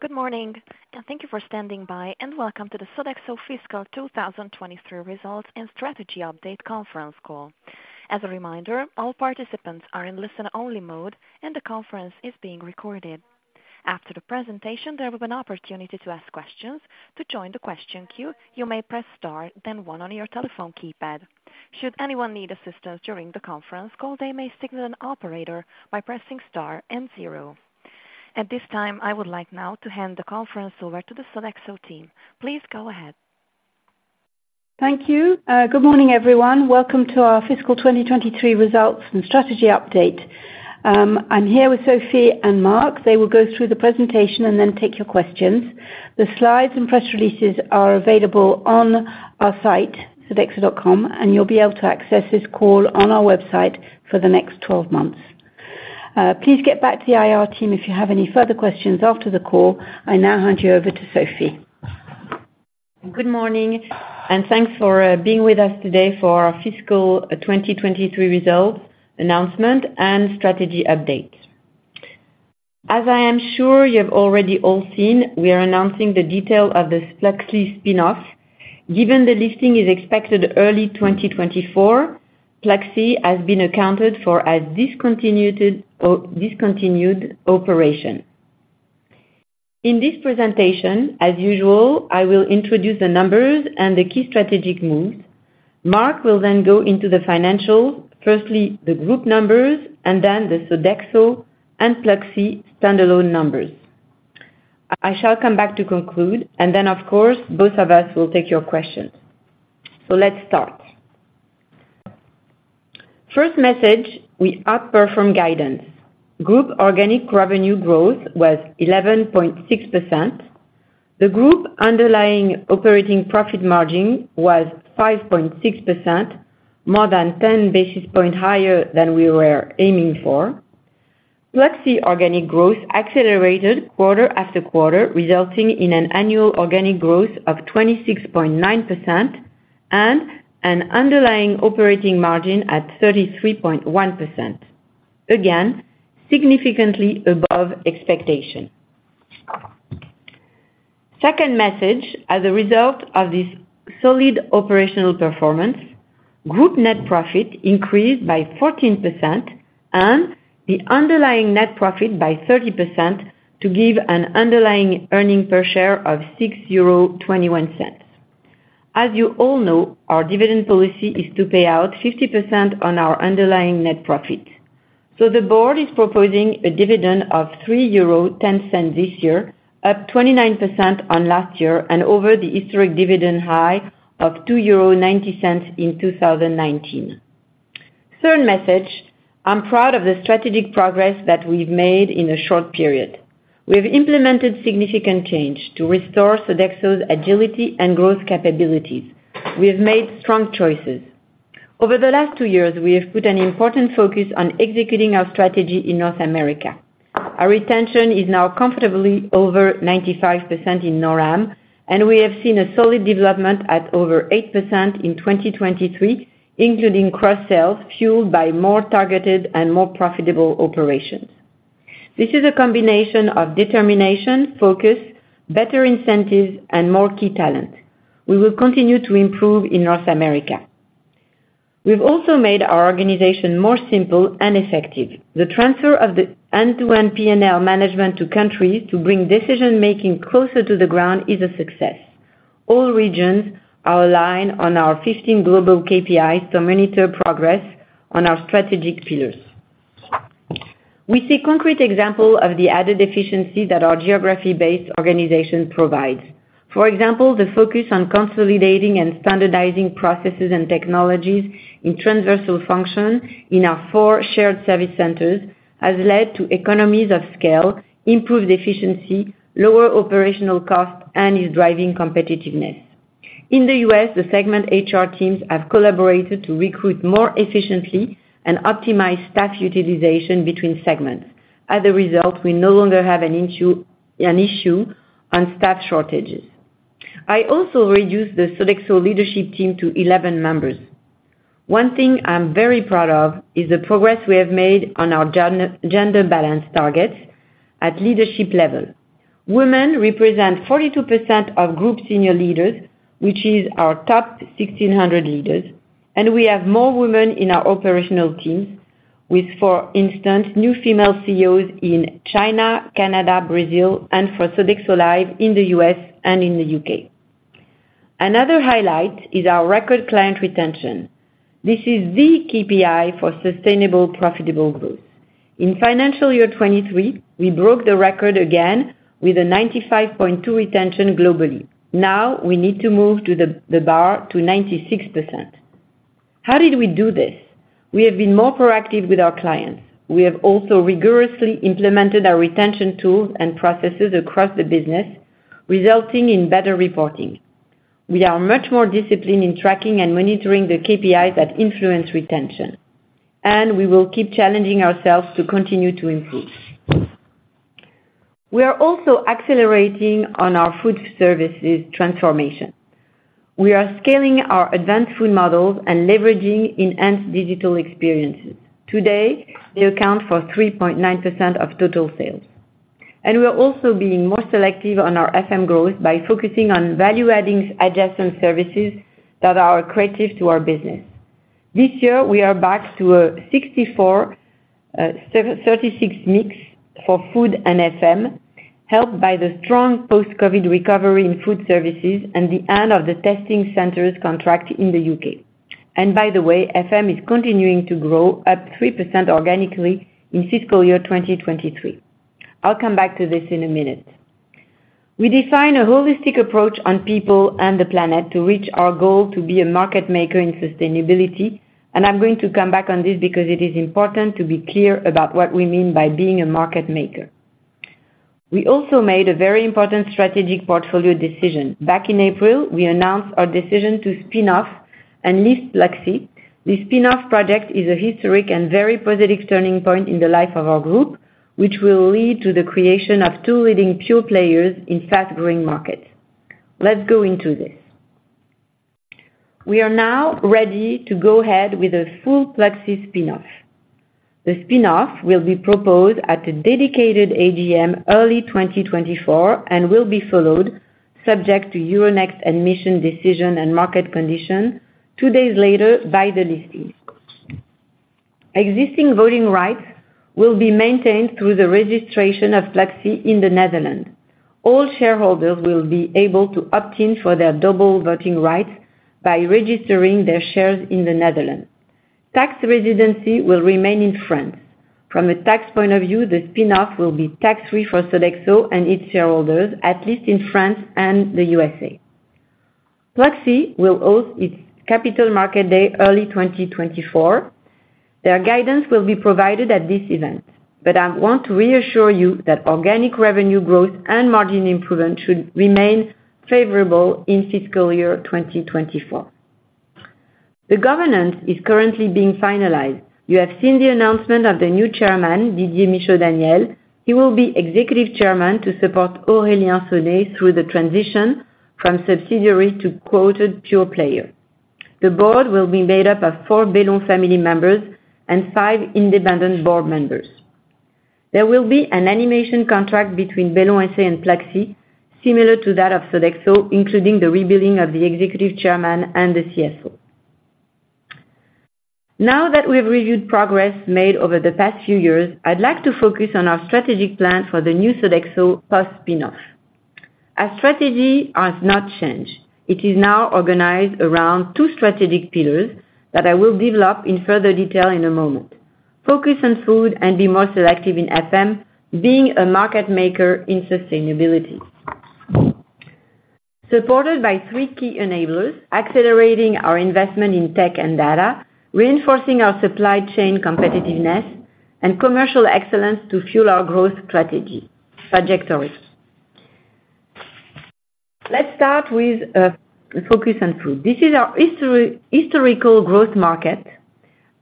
Good morning, and thank you for standing by, and welcome to the Sodexo Fiscal 2023 Results and Strategy Update conference call. As a reminder, all participants are in listen-only mode, and the conference is being recorded. After the presentation, there will be an opportunity to ask questions. To join the question queue, you may press star then one on your telephone keypad. Should anyone need assistance during the conference call, they may signal an operator by pressing star and zero. At this time, I would like now to hand the conference over to the Sodexo team. Please go ahead. Thank you. Good morning, everyone. Welcome to our fiscal 2023 results and strategy update. I'm here with Sophie and Marc. They will go through the presentation and then take your questions. The slides and press releases are available on our site, Sodexo.com, and you'll be able to access this call on our website for the next 12 months. Please get back to the IR team if you have any further questions after the call. I now hand you over to Sophie. Good morning, and thanks for being with us today for our fiscal 2023 results announcement and strategy update. As I am sure you have already all seen, we are announcing the detail of the Pluxee spin-off. Given the listing is expected early 2024, Pluxee has been accounted for as a discontinued operation. In this presentation, as usual, I will introduce the numbers and the key strategic moves. Marc will then go into the financial, firstly, the group numbers, and then the Sodexo and Pluxee standalone numbers. I shall come back to conclude, and then, of course, both of us will take your questions. So let's start. First message, we outperform guidance. Group organic revenue growth was 11.6%. The group underlying operating profit margin was 5.6%, more than 10 basis points higher than we were aiming for. Pluxee organic growth accelerated quarter after quarter, resulting in an annual organic growth of 26.9% and an underlying operating margin at 33.1%. Again, significantly above expectation. Second message, as a result of this solid operational performance, group net profit increased by 14% and the underlying net profit by 30%, to give an underlying earnings per share of 6.21 euro. As you all know, our dividend policy is to pay out 50% on our underlying net profit. So the board is proposing a dividend of 3.10 euro this year, up 29% on last year and over the historic dividend high of 2.90 euro in 2019. Third message: I'm proud of the strategic progress that we've made in a short period. We've implemented significant change to restore Sodexo's agility and growth capabilities. We have made strong choices. Over the last two years, we have put an important focus on executing our strategy in North America. Our retention is now comfortably over 95% in NORAM, and we have seen a solid development at over 8% in 2023, including cross sales, fueled by more targeted and more profitable operations. This is a combination of determination, focus, better incentives and more key talent. We will continue to improve in North America. We've also made our organization more simple and effective. The transfer of the end-to-end P&L management to countries to bring decision-making closer to the ground is a success. All regions are aligned on our 15 global KPIs to monitor progress on our strategic pillars. We see concrete example of the added efficiency that our geography-based organization provides. For example, the focus on consolidating and standardizing processes and technologies in transversal function in our four shared service centers has led to economies of scale, improved efficiency, lower operational costs, and is driving competitiveness. In the U.S., the segment HR teams have collaborated to recruit more efficiently and optimize staff utilization between segments. As a result, we no longer have an issue on staff shortages. I also reduced the Sodexo leadership team to 11 members. One thing I'm very proud of is the progress we have made on our gender balance targets at leadership level. Women represent 42% of group senior leaders, which is our top 1,600 leaders, and we have more women in our operational teams with, for instance, new female CEOs in China, Canada, Brazil, and for Sodexo Live in the U.S. and in the U.K. Another highlight is our record client retention. This is the KPI for sustainable, profitable growth. In financial year 2023, we broke the record again with a 95.2% retention globally. Now, we need to move the bar to 96%. How did we do this? We have been more proactive with our clients. We have also rigorously implemented our retention tools and processes across the business, resulting in better reporting. We are much more disciplined in tracking and monitoring the KPIs that influence retention, and we will keep challenging ourselves to continue to improve. We are also accelerating on our food services transformation. We are scaling our advanced food models and leveraging enhanced digital experiences. Today, they account for 3.9% of total sales. We are also being more selective on our FM growth by focusing on value-addings adjacent services that are accretive to our business. This year, we are back to a 64/36 mix for food and FM, helped by the strong post-COVID recovery in food services and the end of the testing centers contract in the U.K. By the way, FM is continuing to grow at 3% organically in fiscal year 2023. I'll come back to this in a minute. We define a holistic approach on people and the planet to reach our goal to be a market maker in sustainability, and I'm going to come back on this because it is important to be clear about what we mean by being a market maker. We also made a very important strategic portfolio decision. Back in April, we announced our decision to spin off and list Pluxee. The spin-off project is a historic and very positive turning point in the life of our group, which will lead to the creation of two leading pure players in fast-growing markets. Let's go into this. We are now ready to go ahead with a full Pluxee spin-off. The spin-off will be proposed at a dedicated AGM early 2024, and will be followed, subject to Euronext admission decision and market condition, two days later by the listing. Existing voting rights will be maintained through the registration of Pluxee in the Netherlands. All shareholders will be able to opt in for their double voting rights by registering their shares in the Netherlands. Tax residency will remain in France. From a tax point of view, the spin-off will be tax-free for Sodexo and its shareholders, at least in France and the USA. Pluxee will host its Capital Markets Day early 2024. Their guidance will be provided at this event, but I want to reassure you that organic revenue growth and margin improvement should remain favorable in fiscal year 2024. The governance is currently being finalized. You have seen the announcement of the new chairman, Didier Michaud-Daniel. He will be executive chairman to support Aurélien Sonet through the transition from subsidiary to quoted pure player. The board will be made up of four Bellon family members and five independent board members. There will be an animation contract between Bellon SA and Pluxee, similar to that of Sodexo, including the rebuilding of the executive chairman and the CSO. Now that we've reviewed progress made over the past few years, I'd like to focus on our strategic plan for the new Sodexo post-spin-off. Our strategy has not changed. It is now organized around two strategic pillars that I will develop in further detail in a moment. Focus on food and be more selective in FM, being a market maker in sustainability. Supported by three key enablers, accelerating our investment in tech and data, reinforcing our supply chain competitiveness, and commercial excellence to fuel our growth strategy, trajectory. Let's start with focus on food. This is our historical growth market.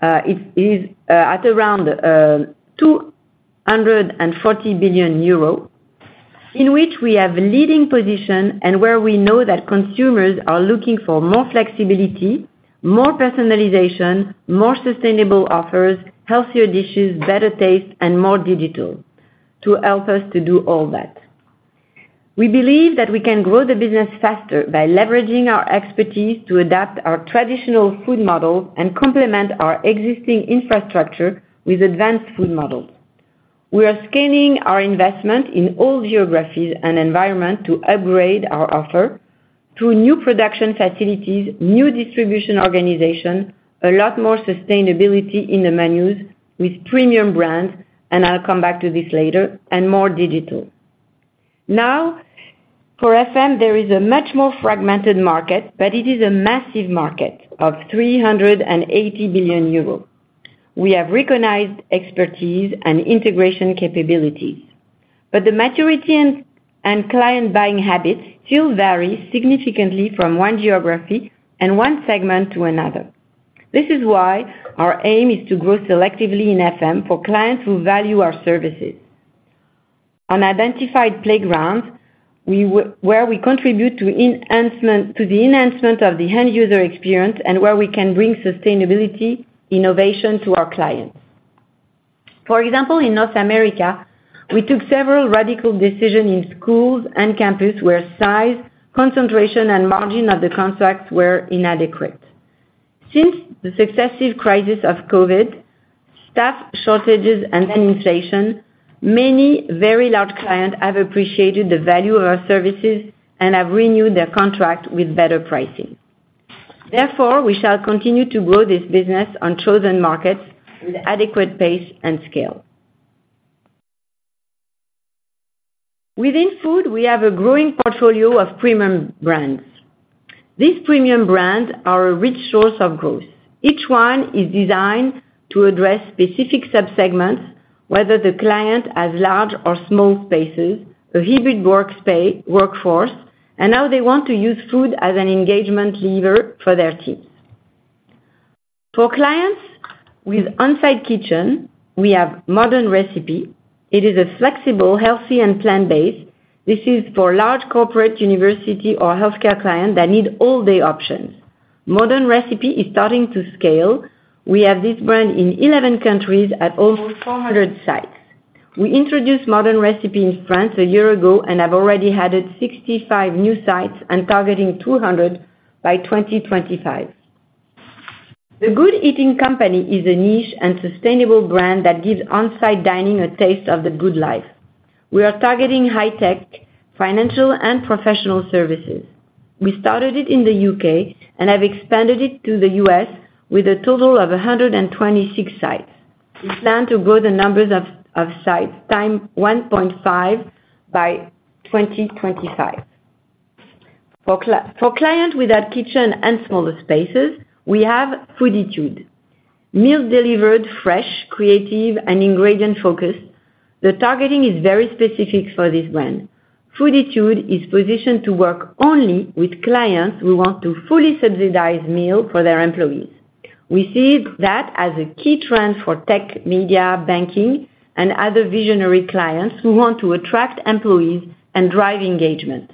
It is at around 240 billion euro, in which we have leading position and where we know that consumers are looking for more flexibility, more personalization, more sustainable offers, healthier dishes, better taste, and more digital to help us to do all that. We believe that we can grow the business faster by leveraging our expertise to adapt our traditional food model and complement our existing infrastructure with advanced food models. We are scaling our investment in all geographies and environment to upgrade our offer through new production facilities, new distribution organization, a lot more sustainability in the menus with premium brands, and I'll come back to this later, and more digital. Now, for FM, there is a much more fragmented market, but it is a massive market of 380 billion euros. We have recognized expertise and integration capabilities, but the maturity and client buying habits still vary significantly from one geography and one segment to another. This is why our aim is to grow selectively in FM for clients who value our services. On identified playgrounds, where we contribute to enhancement, to the enhancement of the end user experience and where we can bring sustainability, innovation to our clients. For example, in North America, we took several radical decisions in schools and campuses where size, concentration, and margin of the contracts were inadequate. Since the successive crises of COVID, staff shortages and then inflation, many very large clients have appreciated the value of our services and have renewed their contracts with better pricing. Therefore, we shall continue to grow this business on chosen markets with adequate pace and scale. Within food, we have a growing portfolio of premium brands. These premium brands are a rich source of growth. Each one is designed to address specific sub-segments, whether the client has large or small spaces, a hybrid workspace-workforce, and now they want to use food as an engagement lever for their teams. For clients with on-site kitchen, we have Modern Recipe. It is a flexible, healthy, and plant-based. This is for large corporate, university, or healthcare client that need all-day options. Modern Recipe is starting to scale. We have this brand in 11 countries at almost 400 sites. We introduced Modern Recipe in France a year ago and have already added 65 new sites and targeting 200 by 2025. The Good Eating Company is a niche and sustainable brand that gives on-site dining a taste of the good life. We are targeting high-tech, financial, and professional services. We started it in the U.K. and have expanded it to the U.S. with a total of 126 sites. We plan to grow the number of sites 1.5x by 2025. For clients without kitchens and smaller spaces, we have Fooditude. Meals delivered fresh, creative, and ingredient-focused. The targeting is very specific for this brand. Fooditude is positioned to work only with clients who want to fully subsidize meals for their employees. We see that as a key trend for tech, media, banking, and other visionary clients who want to attract employees and drive engagement.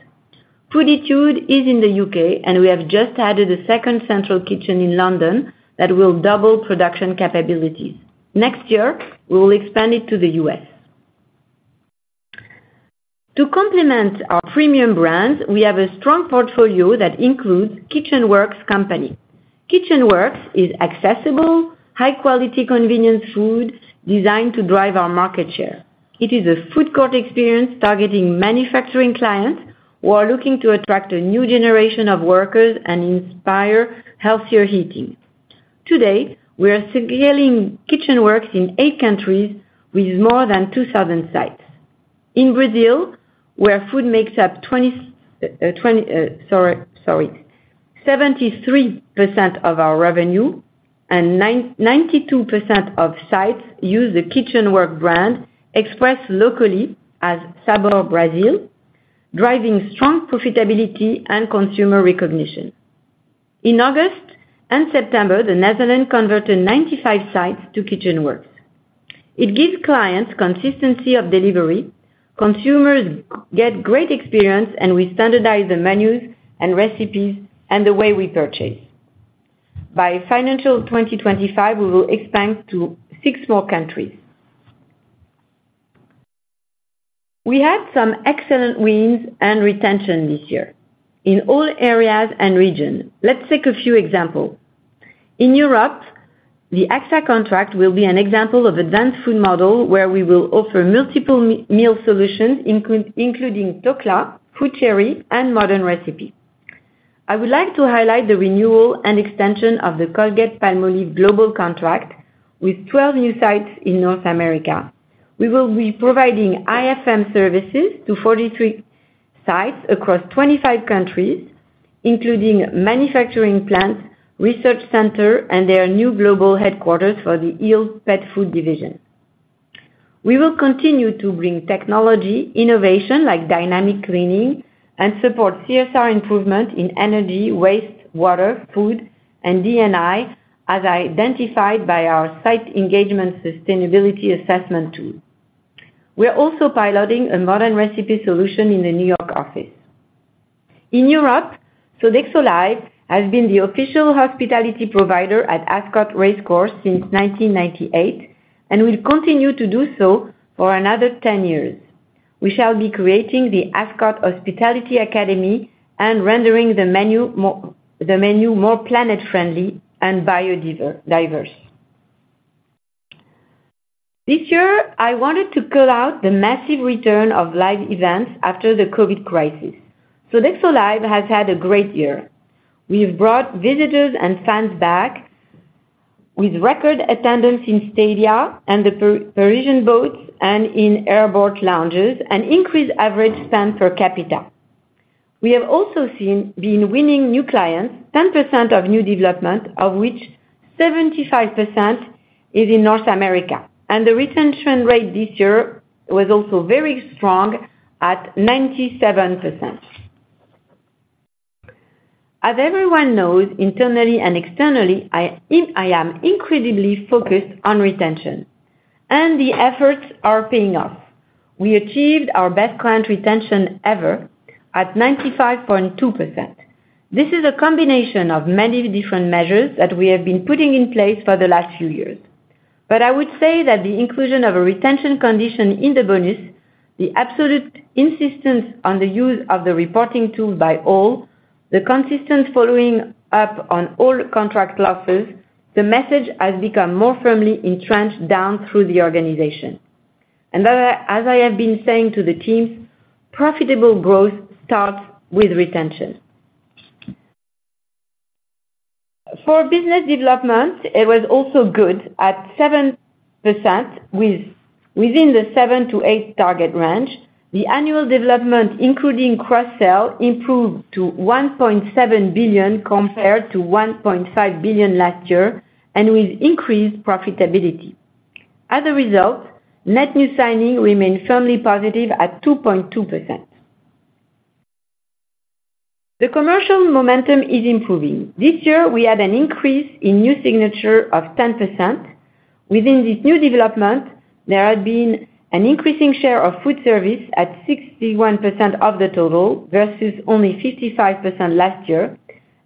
Fooditude is in the U.K., and we have just added a second central kitchen in London that will double production capabilities. Next year, we will expand it to the U.S. To complement our premium brands, we have a strong portfolio that includes KitchenWorks. KitchenWorks is accessible, high-quality, convenient food designed to drive our market share. It is a food court experience targeting manufacturing clients who are looking to attract a new generation of workers and inspire healthier eating. Today, we are scaling KitchenWorks in eight countries with more than 2,000 sites. In Brazil, where food makes up 73% of our revenue and 92% of sites use the KitchenWorks brand, expressed locally as Sabor Brasil, driving strong profitability and consumer recognition. In August and September, the Netherlands converted 95 sites to KitchenWorks. It gives clients consistency of delivery, consumers get great experience, and we standardize the menus and recipes and the way we purchase. By financial 2025, we will expand to six more countries. We had some excellent wins and retention this year in all areas and regions. Let's take a few examples. In Europe, the AXA contract will be an example of advanced food model, where we will offer multiple meal solutions, including Tokla, Fooditude, and Modern Recipe. I would like to highlight the renewal and extension of the Colgate-Palmolive global contract with 12 new sites in North America. We will be providing IFM services to 43 sites across 25 countries, including manufacturing plants, research center, and their new global headquarters for the Hill's Pet Nutrition division. We will continue to bring technology, innovation like dynamic cleaning, and support CSR improvement in energy, waste, water, food, and D&I, as identified by our site engagement sustainability assessment tool. We are also piloting a Modern Recipe solution in the New York office. In Europe, Sodexo Live has been the official hospitality provider at Ascot Racecourse since 1998, and will continue to do so for another 10 years. We shall be creating the Ascot Hospitality Academy and rendering the menu more planet-friendly and biodiverse. This year, I wanted to call out the massive return of live events after the COVID crisis. Sodexo Live has had a great year. We have brought visitors and fans back with record attendance in stadia and the Parisian boats and in airport lounges, and increased average spend per capita. We have also been winning new clients, 10% of new development, of which 75% is in North America, and the retention rate this year was also very strong at 97%. As everyone knows, internally and externally, I am incredibly focused on retention, and the efforts are paying off. We achieved our best client retention ever at 95.2%. This is a combination of many different measures that we have been putting in place for the last few years. But I would say that the inclusion of a retention condition in the bonus, the absolute insistence on the use of the reporting tool by all, the consistent following up on all contract clauses, the message has become more firmly entrenched down through the organization. And as I have been saying to the teams, "Profitable growth starts with retention." For business development, it was also good at 7%, within the 7%-8% target range. The annual development, including cross-sell, improved to 1.7 billion, compared to 1.5 billion last year, and with increased profitability. As a result, net new signing remained firmly positive at 2.2%. The commercial momentum is improving. This year, we had an increase in new signature of 10%. Within this new development, there had been an increasing share of food service at 61% of the total, versus only 55% last year,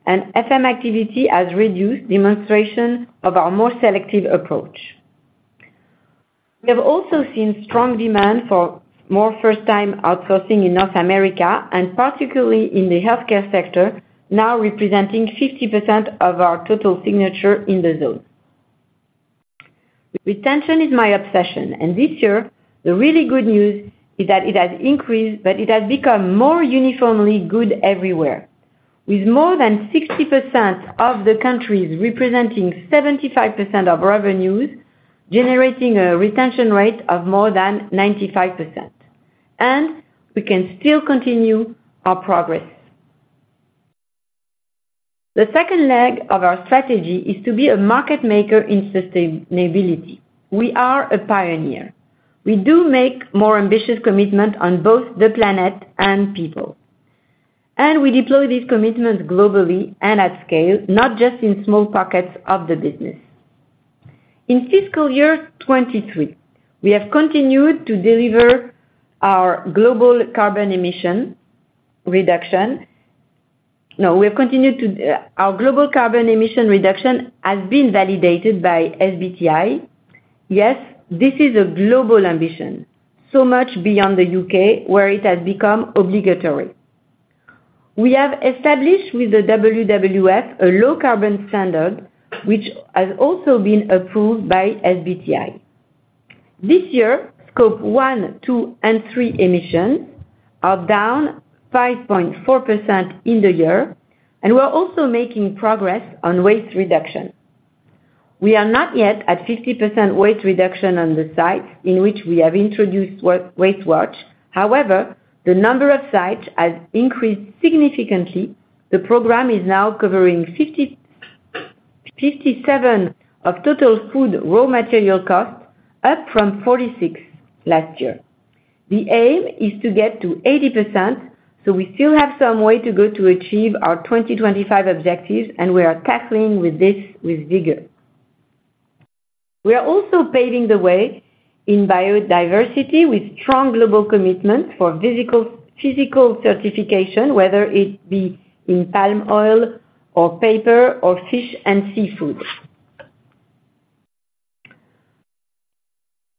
and FM activity has reduced demonstration of our more selective approach. We have also seen strong demand for more first-time outsourcing in North America, and particularly in the healthcare sector, now representing 50% of our total signature in the zone. Retention is my obsession, and this year, the really good news is that it has increased, but it has become more uniformly good everywhere. With more than 60% of the countries representing 75% of revenues, generating a retention rate of more than 95%, and we can still continue our progress. The second leg of our strategy is to be a market maker in sustainability. We are a pioneer. We do make more ambitious commitment on both the planet and people, and we deploy these commitments globally and at scale, not just in small pockets of the business. In fiscal year 2023, our global carbon emission reduction has been validated by SBTi. Yes, this is a global ambition, so much beyond the U.K., where it has become obligatory. We have established with the WWF, a low carbon standard, which has also been approved by SBTi. This year, scope one, two, and three emissions are down 5.4% in the year, and we're also making progress on waste reduction. We are not yet at 50% waste reduction on the site, in which we have introduced WasteWatch. However, the number of sites has increased significantly. The program is now covering 57% of total food raw material cost, up from 46% last year. The aim is to get to 80%, so we still have some way to go to achieve our 2025 objectives, and we are tackling with this with vigor. We are also paving the way in biodiversity with strong global commitment for physical certification, whether it be in palm oil or paper or fish and seafood.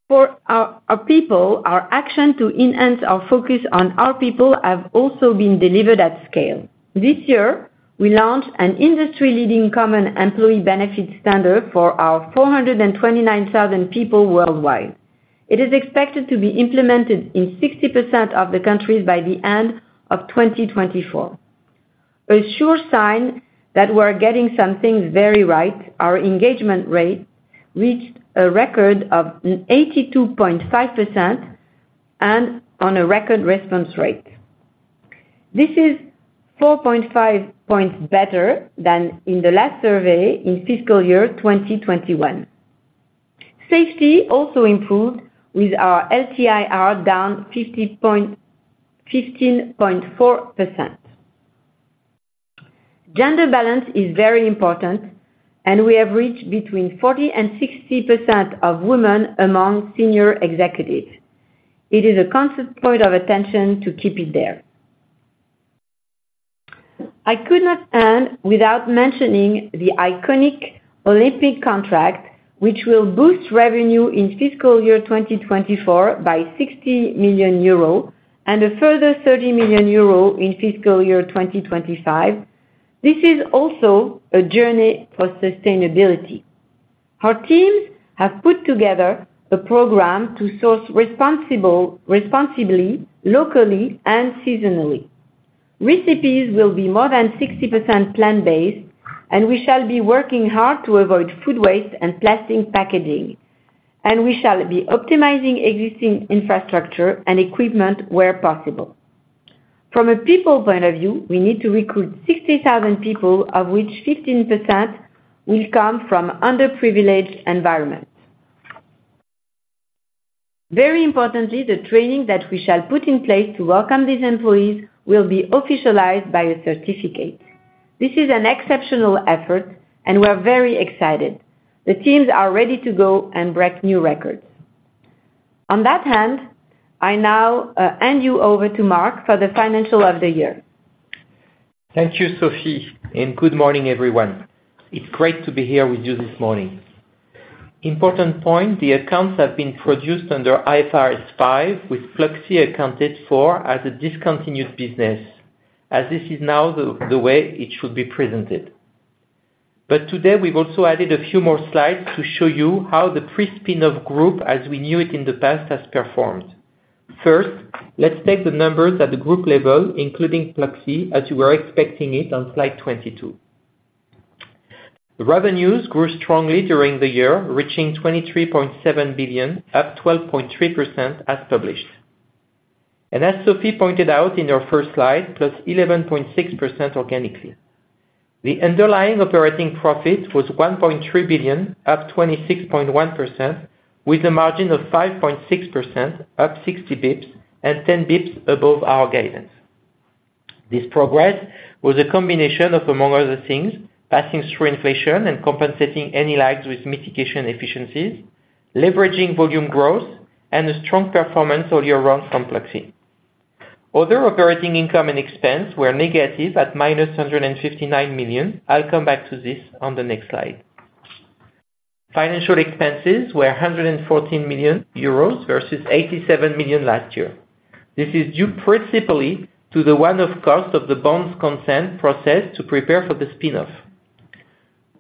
For our people, our action to enhance our focus on our people have also been delivered at scale. This year, we launched an industry-leading common employee benefit standard for our 429,000 people worldwide. It is expected to be implemented in 60% of the countries by the end of 2024. A sure sign that we're getting some things very right, our engagement rate reached a record of 82.5% and on a record response rate. This is 4.5 points better than in the last survey in fiscal year 2021. Safety also improved, with our LTIR down 15.4%. Gender balance is very important, and we have reached between 40% and 60% of women among senior executives. It is a constant point of attention to keep it there. I could not end without mentioning the iconic Olympic contract, which will boost revenue in fiscal year 2024 by 60 million euro and a further 30 million euro in fiscal year 2025. This is also a journey for sustainability. Our teams have put together a program to source responsibly, locally and seasonally. Recipes will be more than 60% plant-based, and we shall be working hard to avoid food waste and plastic packaging, and we shall be optimizing existing infrastructure and equipment where possible. From a people point of view, we need to recruit 60,000 people, of which 15% will come from underprivileged environments. Very importantly, the training that we shall put in place to welcome these employees will be officialized by a certificate. This is an exceptional effort, and we're very excited. The teams are ready to go and break new records. On that hand, I now hand you over to Marc for the financial of the year. Thank you, Sophie, and good morning, everyone. It's great to be here with you this morning. Important point, the accounts have been produced under IFRS 5, with Pluxee accounted for as a discontinued business, as this is now the way it should be presented. But today, we've also added a few more slides to show you how the pre-spin of group, as we knew it in the past, has performed. First, let's take the numbers at the group level, including Pluxee, as you were expecting it on slide 22. The revenues grew strongly during the year, reaching 23.7 billion, up 12.3% as published, and as Sophie pointed out in her first slide, +11.6% organically. The underlying operating profit was 1.3 billion, up 26.1%, with a margin of 5.6%, up 60 basis points and 10 basis points above our guidance. This progress was a combination of, among other things, passing through inflation and compensating any lags with mitigation efficiencies, leveraging volume growth, and a strong performance all year round from Pluxee. Other operating income and expense were negative at -159 million. I'll come back to this on the next slide. Financial expenses were 114 million euros versus 87 million last year. This is due principally to the one-off cost of the bonds consent process to prepare for the spin-off.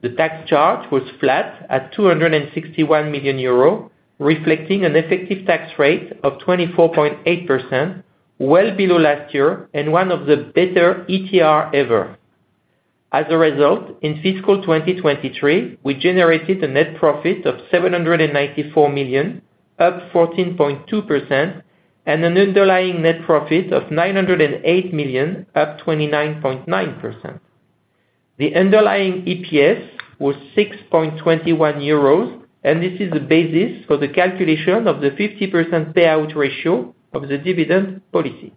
The tax charge was flat at 261 million euros, reflecting an effective tax rate of 24.8%, well below last year and one of the better ETR ever. As a result, in fiscal 2023, we generated a net profit of 794 million, up 14.2%, and an underlying net profit of 908 million, up 29.9%. The underlying EPS was 6.21 euros, and this is the basis for the calculation of the 50% payout ratio of the dividend policy.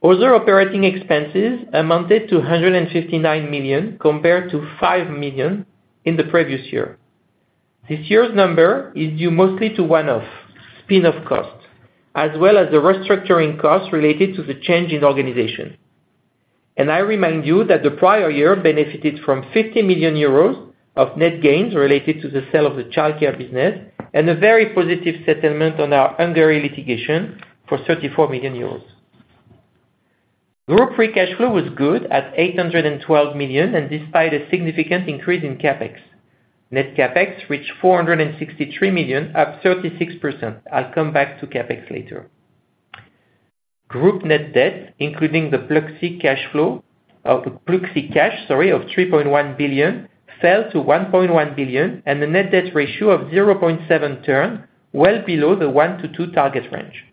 Other operating expenses amounted to 159 million, compared to 5 million in the previous year. This year's number is due mostly to one-off, spin-off costs, as well as the restructuring costs related to the change in organization. I remind you that the prior year benefited from 50 million euros of net gains related to the sale of the childcare business, and a very positive settlement on our Hungary litigation for 34 million euros. Group free cash flow was good at 812 million, and despite a significant increase in CapEx. Net CapEx reached 463 million, up 36%. I'll come back to CapEx later. Group net debt, including the Pluxee cash flow, or the Pluxee cash, sorry, of 3.1 billion, fell to 1.1 billion, and a net debt ratio of 0.7x, well below the one-two target range.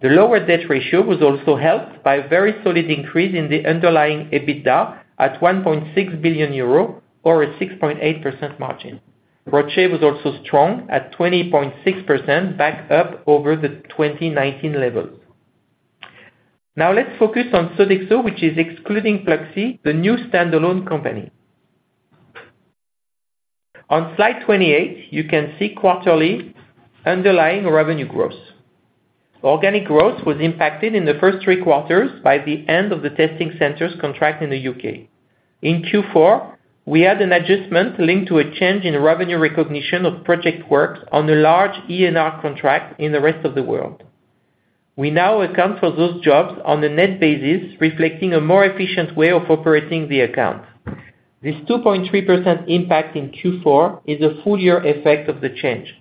The lower debt ratio was also helped by a very solid increase in the underlying EBITDA at 1.6 billion euro or a 6.8% margin. ROCE was also strong at 20.6%, back up over the 2019 levels. Now, let's focus on Sodexo, which is excluding Pluxee, the new standalone company. On slide 28, you can see quarterly underlying revenue growth. Organic growth was impacted in the first three quarters by the end of the testing centers contract in the U.K. In Q4, we had an adjustment linked to a change in revenue recognition of project works on a large ENR contract in the rest of the world. We now account for those jobs on a net basis, reflecting a more efficient way of operating the account. This 2.3% impact in Q4 is a full year effect of the change,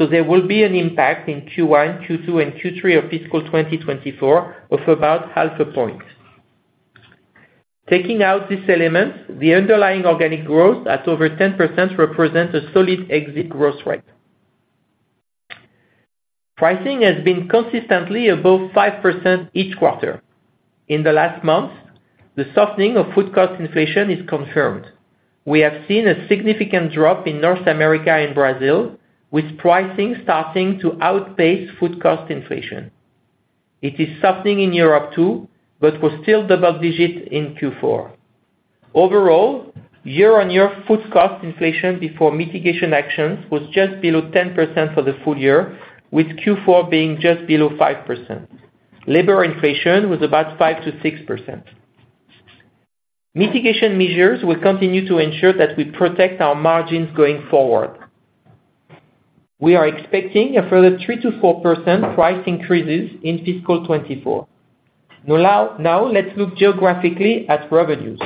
so there will be an impact in Q1, Q2 and Q3 of fiscal 2024 of about half a point. Taking out this element, the underlying organic growth at over 10% represents a solid exit growth rate. Pricing has been consistently above 5% each quarter. In the last month, the softening of food cost inflation is confirmed. We have seen a significant drop in North America and Brazil, with pricing starting to outpace food cost inflation. It is softening in Europe, too, but was still double digits in Q4. Overall, year-on-year food cost inflation before mitigation actions was just below 10% for the full year, with Q4 being just below 5%. Labor inflation was about 5%-6%. Mitigation measures will continue to ensure that we protect our margins going forward. We are expecting a further 3%-4% price increases in fiscal 2024. Now, let's look geographically at revenues.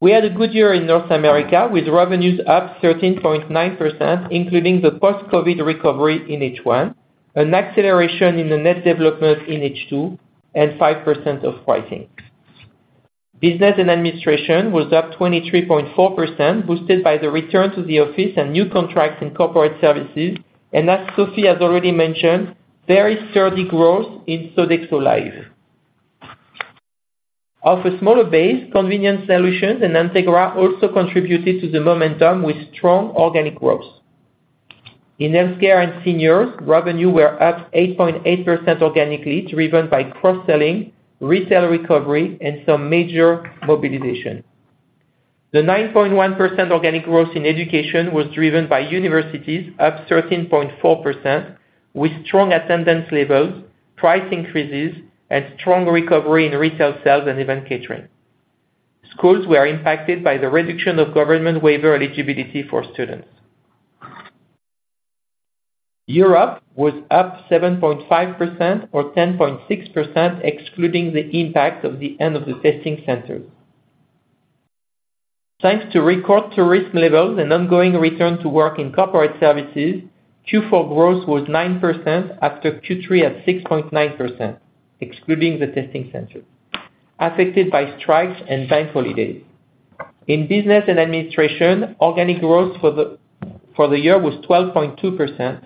We had a good year in North America, with revenues up 13.9%, including the post-COVID recovery in H1, an acceleration in the net development in H2, and 5% of pricing. Business & administration was up 23.4%, boosted by the return to the office and new contracts in corporate services, and as Sophie has already mentioned, very sturdy growth in Sodexo Live. Off a smaller base, convenience solutions and Entegra also contributed to the momentum with strong organic growth. In healthcare and seniors, revenue were up 8.8% organically, driven by cross-selling, retail recovery, and some major mobilization. The 9.1% organic growth in education was driven by universities up 13.4%, with strong attendance levels, price increases, and strong recovery in retail sales and event catering. Schools were impacted by the reduction of government waiver eligibility for students. Europe was up 7.5% or 10.6%, excluding the impact of the end of the testing centers. Thanks to record tourism levels and ongoing return to work in corporate services, Q4 growth was 9% after Q3 at 6.9%, excluding the testing centers, affected by strikes and bank holidays. In business and administration, organic growth for the year was 12.2%.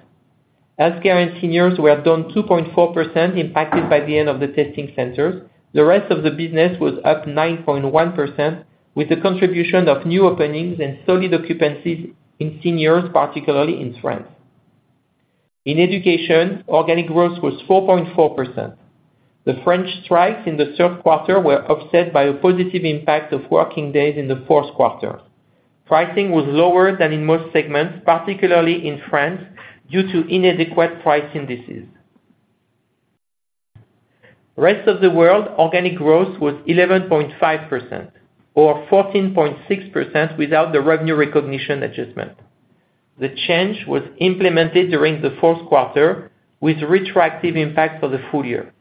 Healthcare & Seniors were down 2.4%, impacted by the end of the testing centers. The rest of the business was up 9.1%, with a contribution of new openings and solid occupancies in seniors, particularly in France. In education, organic growth was 4.4%. The French strikes in the third quarter were offset by a positive impact of working days in the fourth quarter. Pricing was lower than in most segments, particularly in France, due to inadequate price indices. Rest of the world, organic growth was 11.5%, or 14.6% without the revenue recognition adjustment. The change was implemented during the fourth quarter, with retroactive impact for the full year.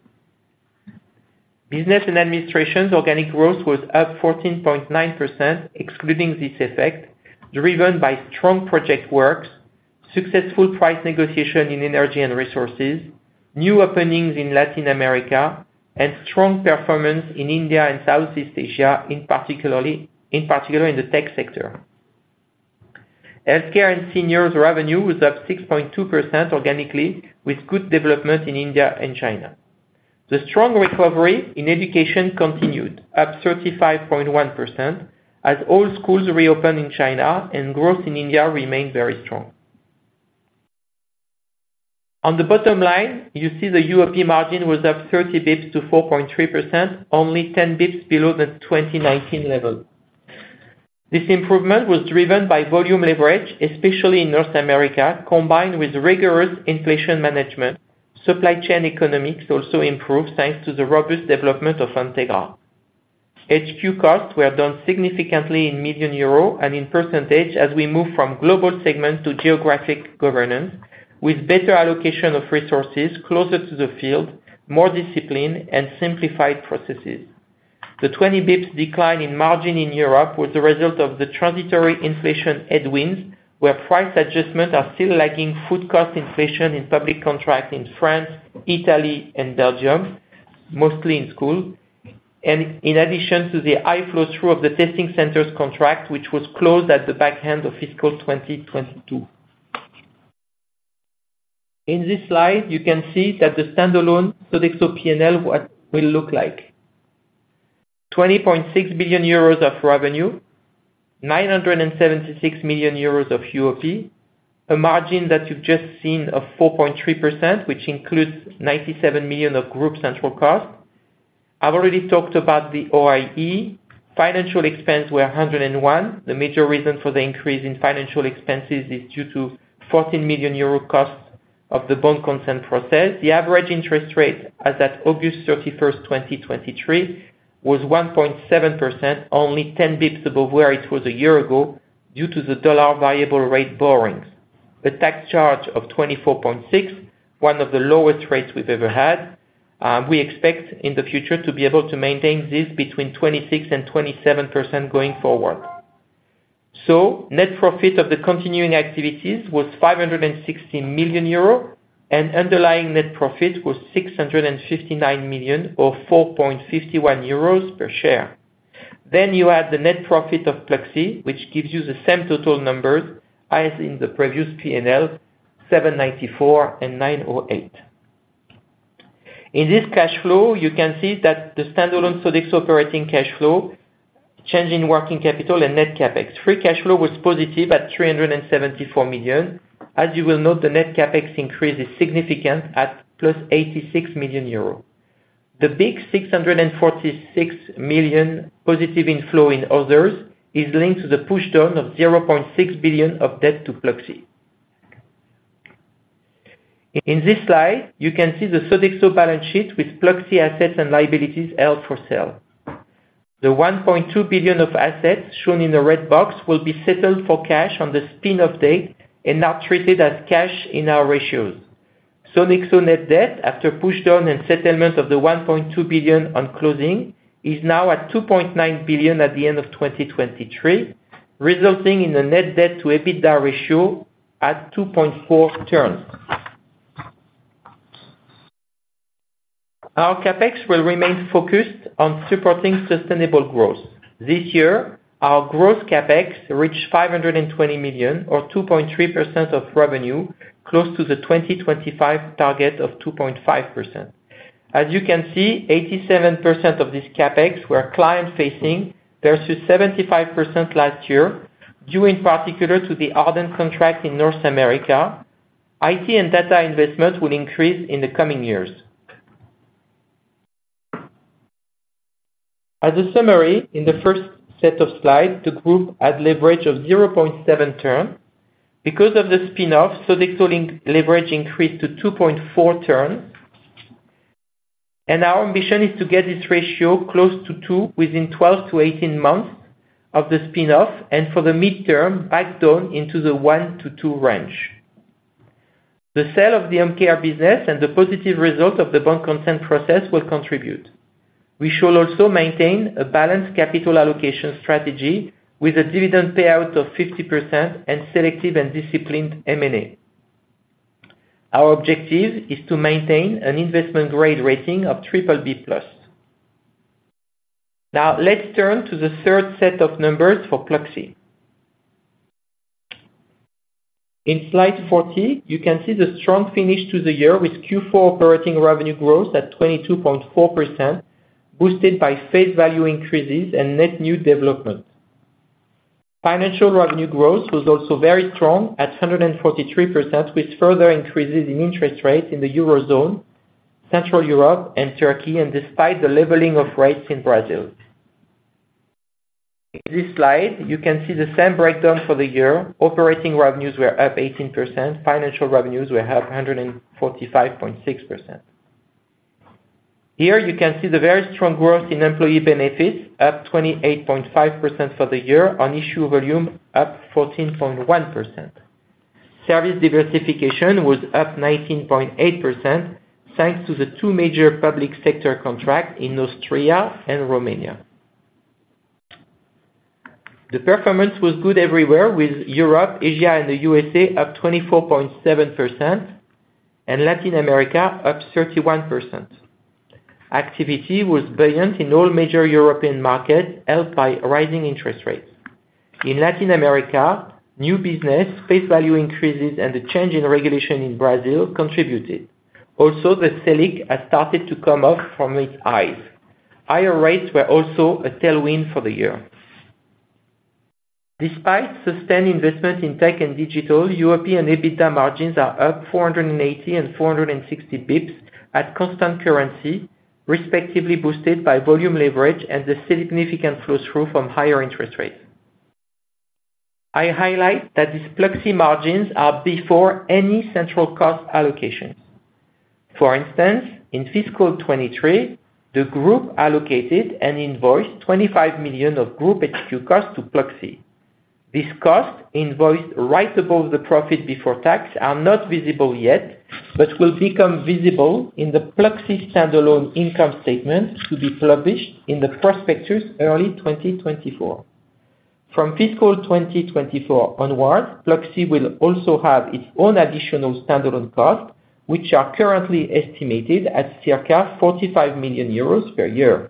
Business & administration's organic growth was up 14.9%, excluding this effect, driven by strong project works, successful price negotiation in energy and resources, new openings in Latin America, and strong performance in India and Southeast Asia, in particular in the tech sector. Healthcare & Seniors revenue was up 6.2% organically, with good development in India and China. The strong recovery in education continued, up 35.1%, as all schools reopened in China and growth in India remained very strong. On the bottom line, you see the UOP margin was up 30 basis points to 4.3%, only 10 basis points below the 2019 level. This improvement was driven by volume leverage, especially in North America, combined with rigorous inflation management. Supply chain economics also improved, thanks to the robust development of Entegra. HQ costs were down significantly in millions euros and in percentage, as we move from global segment to geographic governance, with better allocation of resources closer to the field, more discipline, and simplified processes. The 20 basis points decline in margin in Europe was a result of the transitory inflation headwinds, where price adjustments are still lagging food cost inflation in public contracts in France, Italy, and Belgium, mostly in school. In addition to the high flow-through of the testing centers contract, which was closed at the back end of fiscal 2022. In this slide, you can see that the standalone Sodexo P&L, what will look like. 20.6 billion euros of revenue, 976 million euros of UOP, a margin that you've just seen of 4.3%, which includes 97 million of group central cost. I've already talked about the OIE. Financial expenses were 101 million. The major reason for the increase in financial expenses is due to 14 million euro costs of the bond consent process. The average interest rate, as at August 31st, 2023, was 1.7%, only 10 basis points above where it was a year ago, due to the dollar variable rate borrowings. The tax charge of 24.6%, one of the lowest rates we've ever had. We expect in the future to be able to maintain this between 26% and 27% going forward. So net profit of the continuing activities was 560 million euro, and underlying net profit was 659 million, or 4.51 euros per share. Then you add the net profit of Pluxee, which gives you the same total numbers as in the previous P&L, 794 and 908. In this cash flow, you can see that the standalone Sodexo operating cash flow, change in working capital and net CapEx. Free cash flow was positive at 374 million. As you will note, the net CapEx increase is significant at +86 million euro. The 646 million positive inflow in others is linked to the push down of 0.6 billion of debt to Pluxee. In this slide, you can see the Sodexo balance sheet with Pluxee assets and liabilities held for sale. The 1.2 billion of assets shown in the red box will be settled for cash on the spin-off date and not treated as cash in our ratios. Sodexo net debt, after push down and settlement of the 1.2 billion on closing, is now at 2.9 billion at the end of 2023, resulting in a net debt to EBITDA ratio at 2.4 turns. Our CapEx will remain focused on supporting sustainable growth. This year, our growth CapEx reached 520 million, or 2.3% of revenue, close to the 2025 target of 2.5%. As you can see, 87% of this CapEx were client-facing, versus 75% last year, due in particular to the Ardent contract in North America. IT and data investment will increase in the coming years. As a summary, in the first set of slides, the group had leverage of 0.7x. Because of the spin-off, Sodexo leverage increased to 2.4x, and our ambition is to get this ratio close to two within 12-18 months of the spin-off, and for the midterm, back down into the one-two range. The sale of the home care business and the positive result of the bond consent process will contribute. We shall also maintain a balanced capital allocation strategy with a dividend payout of 50% and selective and disciplined M&A. Our objective is to maintain an investment grade rating of BBB+. Now, let's turn to the third set of numbers for Pluxee. In slide 40, you can see the strong finish to the year, with Q4 operating revenue growth at 22.4%, boosted by face value increases and net new development. Financial revenue growth was also very strong at 143%, with further increases in interest rates in the Eurozone, Central Europe and Turkey, and despite the leveling of rates in Brazil. In this slide, you can see the same breakdown for the year. Operating revenues were up 18%. Financial revenues were up 145.6%. Here you can see the very strong growth in employee benefits, up 28.5% for the year, on issue volume up 14.1%. Service diversification was up 19.8%, thanks to the two major public sector contracts in Austria and Romania. The performance was good everywhere with Europe, Asia and the U.S. up 24.7% and Latin America up 31%. Activity was buoyant in all major European markets, helped by rising interest rates. In Latin America, new business, face value increases and the change in regulation in Brazil contributed. Also, the Selic has started to come off from its highs. Higher rates were also a tailwind for the year. Despite sustained investment in tech and digital, European EBITDA margins are up 480 and 460 basis points at constant currency, respectively, boosted by volume leverage and the significant flow through from higher interest rates. I highlight that these Pluxee margins are before any central cost allocation. For instance, in fiscal 2023, the group allocated and invoiced 25 million of group HQ costs to Pluxee. This cost, invoiced right above the profit before tax, are not visible yet, but will become visible in the Pluxee standalone income statement, to be published in the prospectus early 2024. From fiscal 2024 onwards, Pluxee will also have its own additional standalone costs, which are currently estimated at circa 45 million euros per year.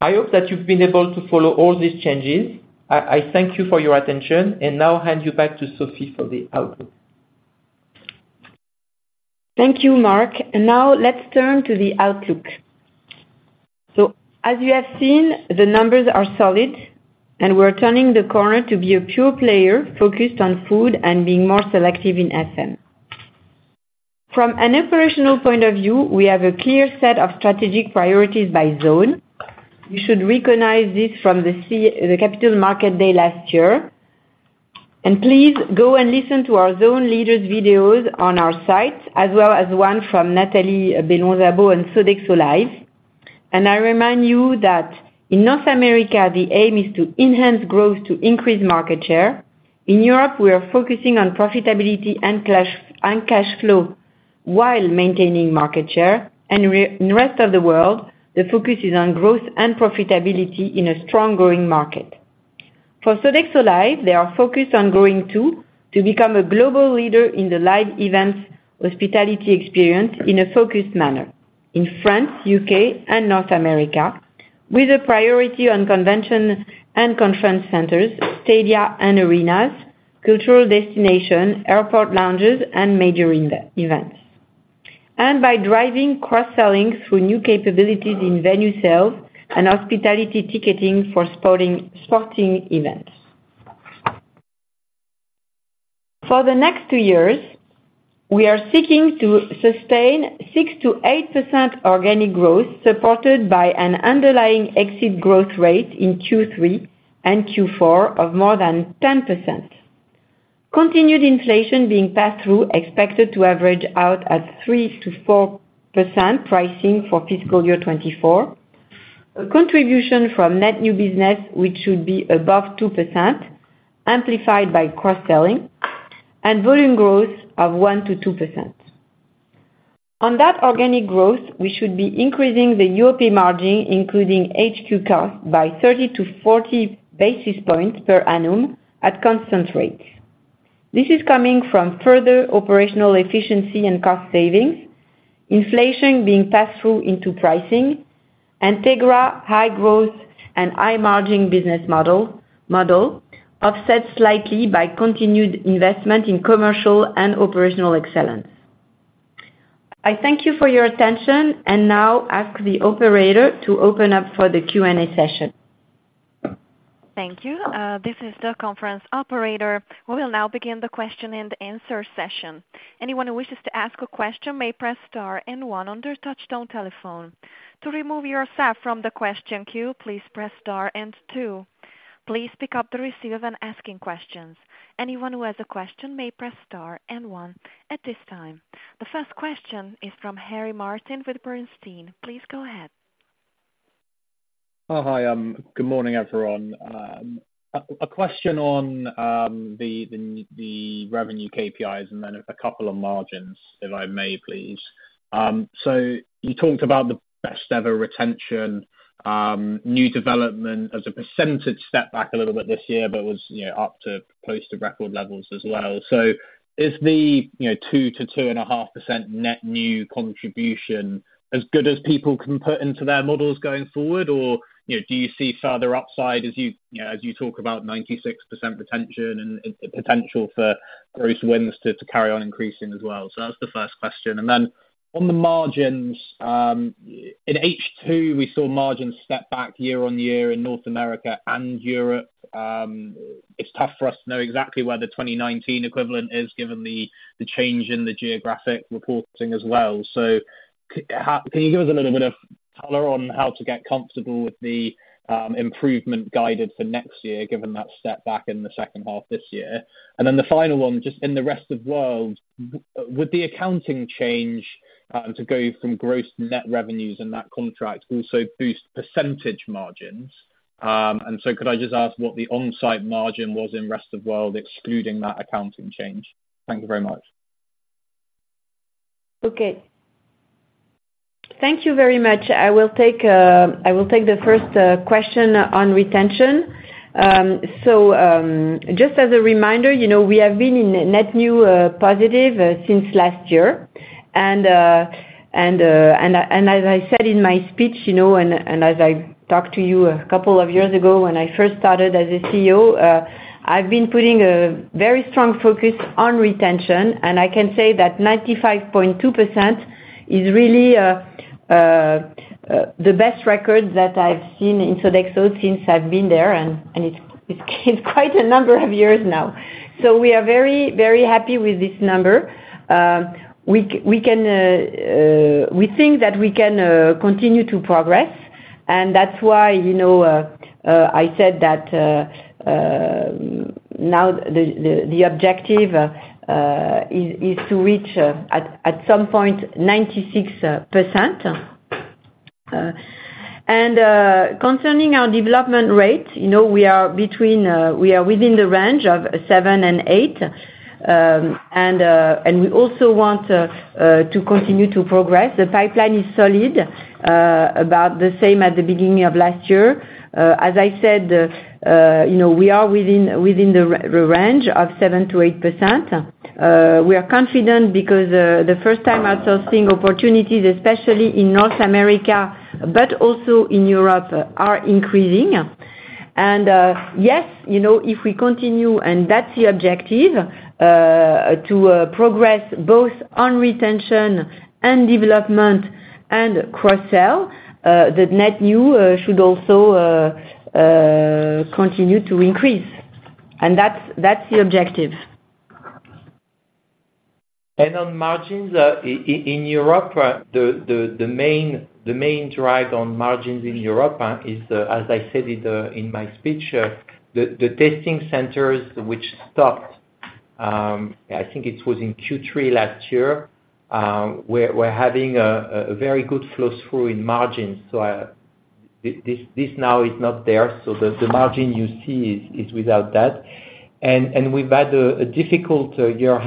I hope that you've been able to follow all these changes. I thank you for your attention and now hand you back to Sophie for the outlook. Thank you, Marc. Now let's turn to the outlook. So, as you have seen, the numbers are solid, and we're turning the corner to be a pure player, focused on food and being more selective in FM. From an operational point of view, we have a clear set of strategic priorities by zone. You should recognize this from the Capital Markets Day last year, and please go and listen to our zone leaders' videos on our site, as well as one from Nathalie Bellon-Szabo and Sodexo Live. I remind you that in North America, the aim is to enhance growth to increase market share. In Europe, we are focusing on profitability and cash flow, while maintaining market share. In the rest of the world, the focus is on growth and profitability in a strong, growing market. For Sodexo Live, they are focused on growing too, to become a global leader in the live events hospitality experience in a focused manner. In France, U.K. and North America, with a priority on convention and conference centers, stadia and arenas, cultural destination, airport lounges and major events. And by driving cross-selling through new capabilities in venue sales and hospitality ticketing for sporting events. For the next two years, we are seeking to sustain 6%-8% organic growth, supported by an underlying exit growth rate in Q3 and Q4 of more than 10%. Continued inflation being passed through, expected to average out at 3%-4% pricing for fiscal year 2024. A contribution from net new business, which should be above 2%, amplified by cross-selling and volume growth of 1%-2%. On that organic growth, we should be increasing the European margin, including HQ costs, by 30-40 basis points per annum at constant rates. This is coming from further operational efficiency and cost savings, inflation being passed through into pricing, Entegra high growth and high margin business model, offset slightly by continued investment in commercial and operational excellence. I thank you for your attention and now ask the operator to open up for the Q&A session. Thank you. This is the conference operator. We will now begin the question-and-answer session. Anyone who wishes to ask a question may press star and one on their touchtone telephone. To remove yourself from the question queue, please press star and two. Please pick up the receiver when asking questions. Anyone who has a question may press star and one at this time. The first question is from Harry Martin with Bernstein. Please go ahead. ... Oh, hi, good morning, everyone. A question on the revenue KPIs, and then a couple of margins, if I may please. So you talked about the best ever retention, new development as a percentage step back a little bit this year, but was, you know, up to close to record levels as well. So is the, you know, 2%-2.5% net new contribution as good as people can put into their models going forward? Or, you know, do you see further upside as you, you know, as you talk about 96% retention and potential for gross wins to carry on increasing as well? So that's the first question. And then on the margins, in H2, we saw margins step back year-on-year in North America and Europe. It's tough for us to know exactly where the 2019 equivalent is, given the change in the geographic reporting as well. So how can you give us a little bit of color on how to get comfortable with the improvement guided for next year, given that step back in the second half this year? And then the final one, just in the rest of world, would the accounting change to go from gross net revenues in that contract also boost percentage margins? And so could I just ask what the onsite margin was in rest of world, excluding that accounting change? Thank you very much. Okay. Thank you very much. I will take the first question on retention. So, just as a reminder, you know, we have been in net new positive since last year. As I said in my speech, you know, as I talked to you a couple of years ago when I first started as a CEO, I've been putting a very strong focus on retention, and I can say that 95.2% is really the best record that I've seen in Sodexo since I've been there, and it's quite a number of years now. So we are very, very happy with this number. We can, we think that we can continue to progress, and that's why, you know, I said that, now the objective is to reach, at some point, 96%. And concerning our development rate, you know, we are between, we are within the range of seven and eight. And we also want to continue to progress. The pipeline is solid, about the same at the beginning of last year. As I said, you know, we are within the range of 7%-8%. We are confident because the first time outsourcing opportunities, especially in North America, but also in Europe, are increasing. Yes, you know, if we continue—and that's the objective—to progress both on retention and development and cross-sell, the net new continue to increase. And that's the objective. On margins in Europe, the main drive on margins in Europe is, as I said in my speech, the testing centers which stopped, I think it was in Q3 last year, we're having a very good flow through in margins. So, this now is not there, so the margin you see is without that. And we've had a difficult year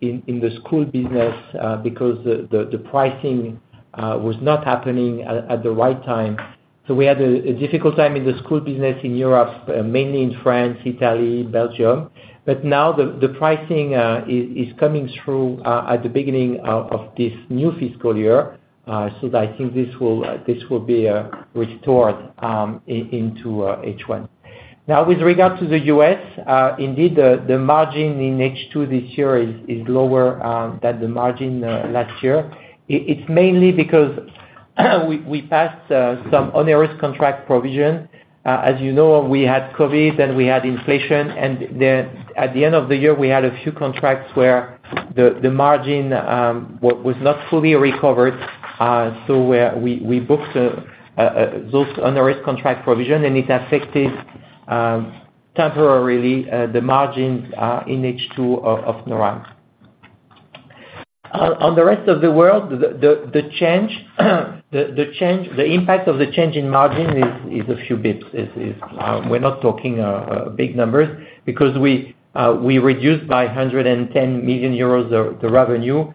in the school business because the pricing was not happening at the right time. So we had a difficult time in the school business in Europe, mainly in France, Italy, Belgium. But now the pricing is coming through at the beginning of this new fiscal year. So I think this will be restored into H1. Now, with regard to the U.S., indeed, the margin in H2 this year is lower than the margin last year. It's mainly because we passed some onerous contract provision. As you know, we had COVID, and we had inflation, and at the end of the year, we had a few contracts where the margin was not fully recovered. So we booked those onerous contract provision, and it affected temporarily the margin in H2 of North America. On the rest of the world, the impact of the change in margin is a few basis points. We're not talking big numbers because we reduced by 110 million euros, the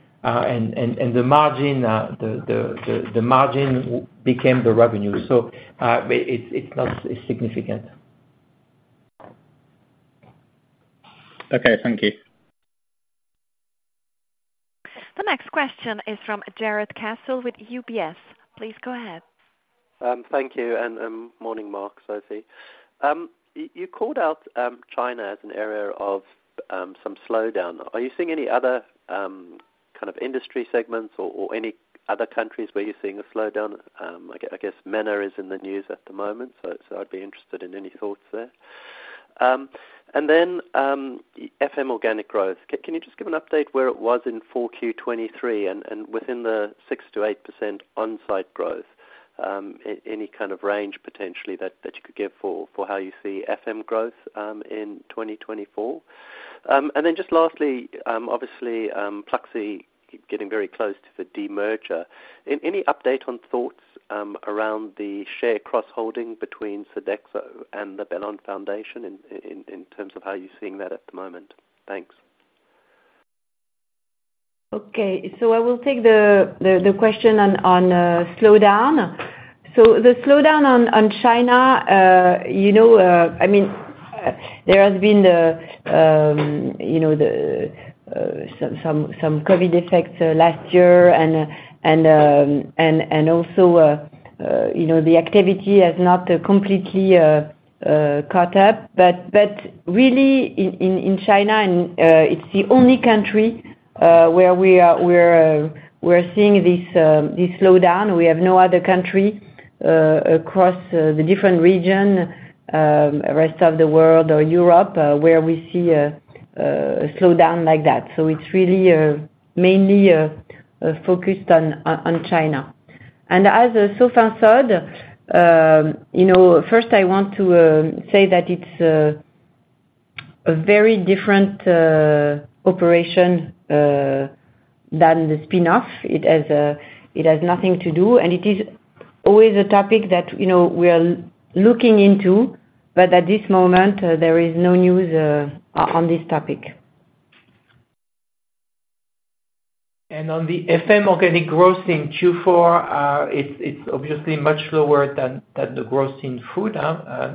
margin became the revenue. So, but it's not significant. Okay, thank you. The next question is from Jarrod Castle with UBS. Please go ahead. Thank you, and morning, Marc, Sophie. You called out China as an area of some slowdown. Are you seeing any other kind of industry segments or any other countries where you're seeing a slowdown? I guess MENA is in the news at the moment, so I'd be interested in any thoughts there. And then, FM organic growth. Can you just give an update where it was in 4Q23 and within the 6%-8% on-site growth, any kind of range potentially that you could give for how you see FM growth in 2024?... And then just lastly, obviously, Pluxee getting very close to the demerger. Any update on thoughts around the share cross-holding between Sodexo and the Bellon Foundation in terms of how you're seeing that at the moment? Thanks. Okay, so I will take the question on slowdown. So the slowdown on China, you know, I mean, there has been some COVID effects last year and also the activity has not completely caught up. But really, in China, it's the only country where we are seeing this slowdown. We have no other country across the different region rest of the world or Europe where we see a slowdown like that. So it's really mainly focused on China. As a follow-on, you know, first, I want to say that it's a very different operation than the spin-off. It has it has nothing to do, and it is always a topic that, you know, we are looking into, but at this moment, there is no news on this topic. On the FM organic growth in Q4, it's obviously much lower than the growth in food, huh?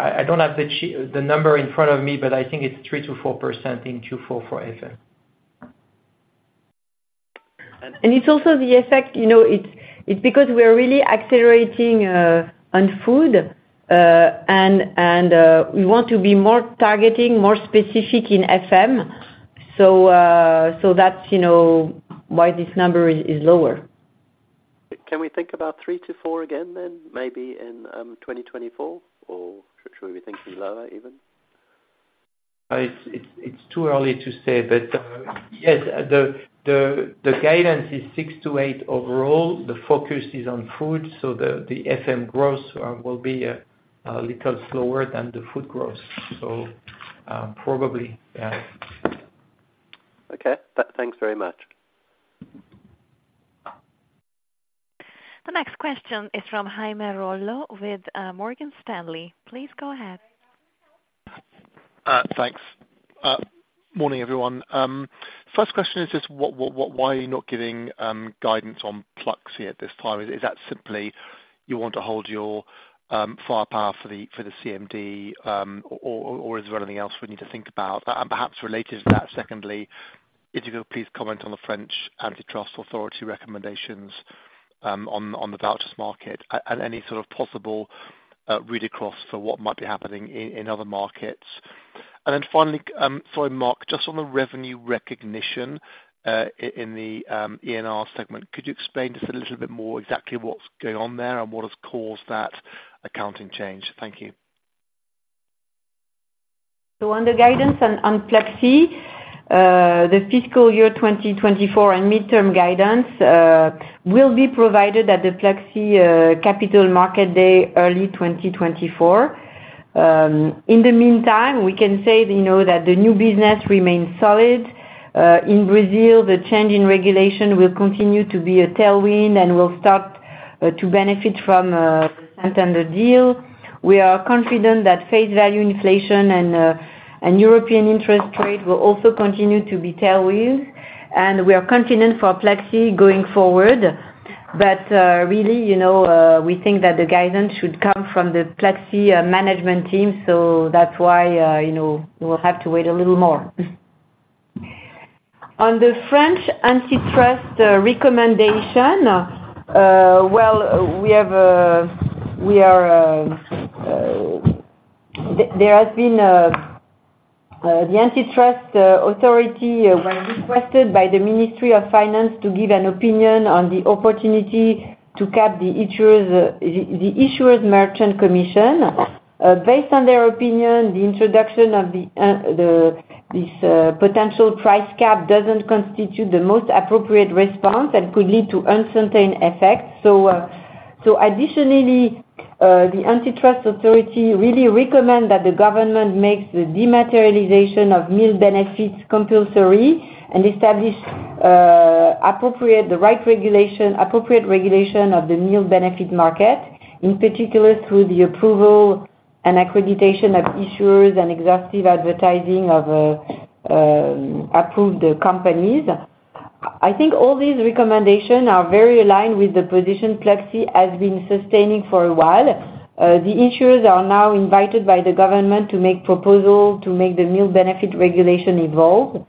I don't have the number in front of me, but I think it's 3%-4% in Q4 for FM. It's also the effect, you know. It's because we are really accelerating on food and we want to be more targeting, more specific in FM, so that's, you know, why this number is lower. Can we think about 3%-4% again, then, maybe in 2024? Or should we be thinking lower even? It's too early to say, but yes, the guidance is 6%-8% overall. The focus is on food, so the FM growth will be a little slower than the food growth. So, probably, yeah. Okay. Thanks very much. The next question is from Jamie Rollo with Morgan Stanley. Please go ahead. Thanks. Morning, everyone. First question is just why are you not giving guidance on Pluxee at this time? Is that simply you want to hold your firepower for the CMD, or is there anything else we need to think about? And perhaps related to that, secondly, if you could please comment on the French antitrust authority recommendations on the vouchers market and any sort of possible read-across for what might be happening in other markets. And then finally, sorry, Marc, just on the revenue recognition in the ENR segment, could you explain just a little bit more exactly what's going on there, and what has caused that accounting change? Thank you. So on the guidance on Pluxee, the fiscal year 2024 and midterm guidance will be provided at the Pluxee Capital Markets Day, early 2024. In the meantime, we can say that, you know, that the new business remains solid. In Brazil, the change in regulation will continue to be a tailwind and will start to benefit from Santander deal. We are confident that face value inflation and and European interest rate will also continue to be tailwinds, and we are confident for Pluxee going forward. But really, you know, we think that the guidance should come from the Pluxee management team, so that's why, you know, we'll have to wait a little more. On the French antitrust recommendation, well, we have, we are. There has been the antitrust authority was requested by the Ministry of Finance to give an opinion on the opportunity to cap the issuers' merchant commission. Based on their opinion, the introduction of this potential price cap doesn't constitute the most appropriate response and could lead to uncertain effects. So additionally, the antitrust authority really recommend that the government makes the dematerialization of meal benefits compulsory, and establish appropriate, the right regulation, appropriate regulation of the meal benefit market, in particular, through the approval and accreditation of issuers and exhaustive advertising of approved companies. I think all these recommendations are very aligned with the position Pluxee has been sustaining for a while. The issuers are now invited by the government to make proposals to make the meal benefit regulation evolve.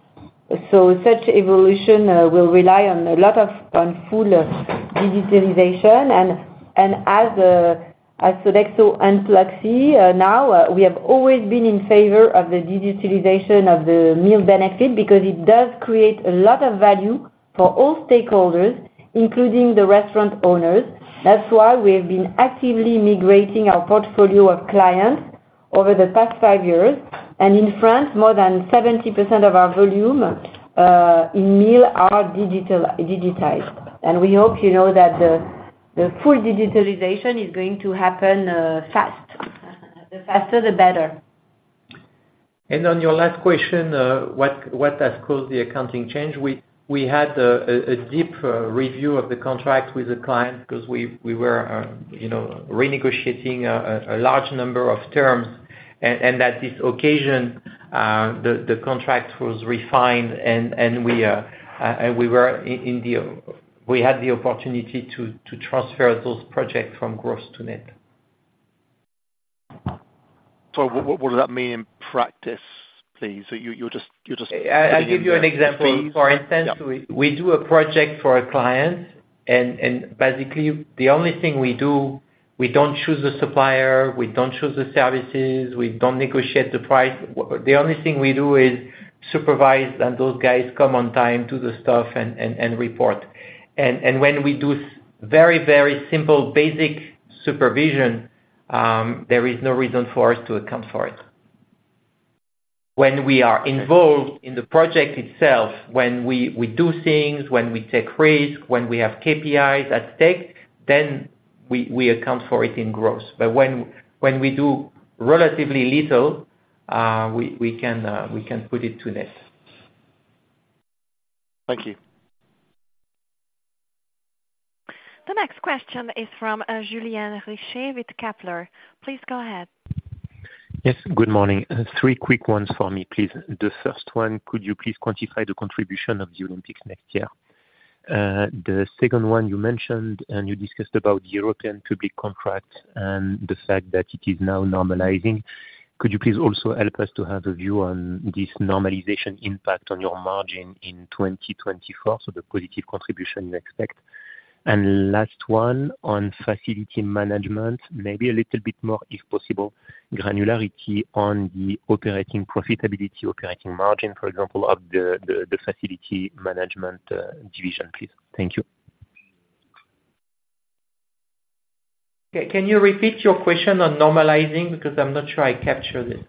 So such evolution will rely on a lot of, on full digitalization and, and as Sodexo and Pluxee now, we have always been in favor of the digitalization of the meal benefit, because it does create a lot of value for all stakeholders, including the restaurant owners. That's why we have been actively migrating our portfolio of clients over the past five years, and in France, more than 70% of our volume in meal are digital, digitized. And we hope, you know, that the- ... The full digitalization is going to happen fast. The faster, the better. And on your last question, what has caused the accounting change? We had a deep review of the contract with the client, because we were you know renegotiating a large number of terms. And at this occasion, the contract was refined and we had the opportunity to transfer those projects from gross to net. So what does that mean in practice, please? So you're just- I give you an example. For instance, we do a project for a client, and basically the only thing we do, we don't choose the supplier, we don't choose the services, we don't negotiate the price. The only thing we do is supervise, and those guys come on time, do the stuff, and report. And when we do very, very simple, basic supervision, there is no reason for us to account for it. When we are involved in the project itself, when we do things, when we take risks, when we have KPIs at stake, then we account for it in gross. But when we do relatively little, we can put it to this. Thank you. The next question is from Julien Richer with Kepler. Please go ahead. Yes, good morning. Three quick ones for me, please. The first one, could you please quantify the contribution of the Olympics next year? The second one you mentioned, and you discussed about the European public contract and the fact that it is now normalizing. Could you please also help us to have a view on this normalization impact on your margin in 2024, so the positive contribution you expect? And last one, on facility management, maybe a little bit more, if possible, granularity on the operating profitability, operating margin, for example, of the facility management division, please. Thank you. Can you repeat your question on normalizing? Because I'm not sure I captured it.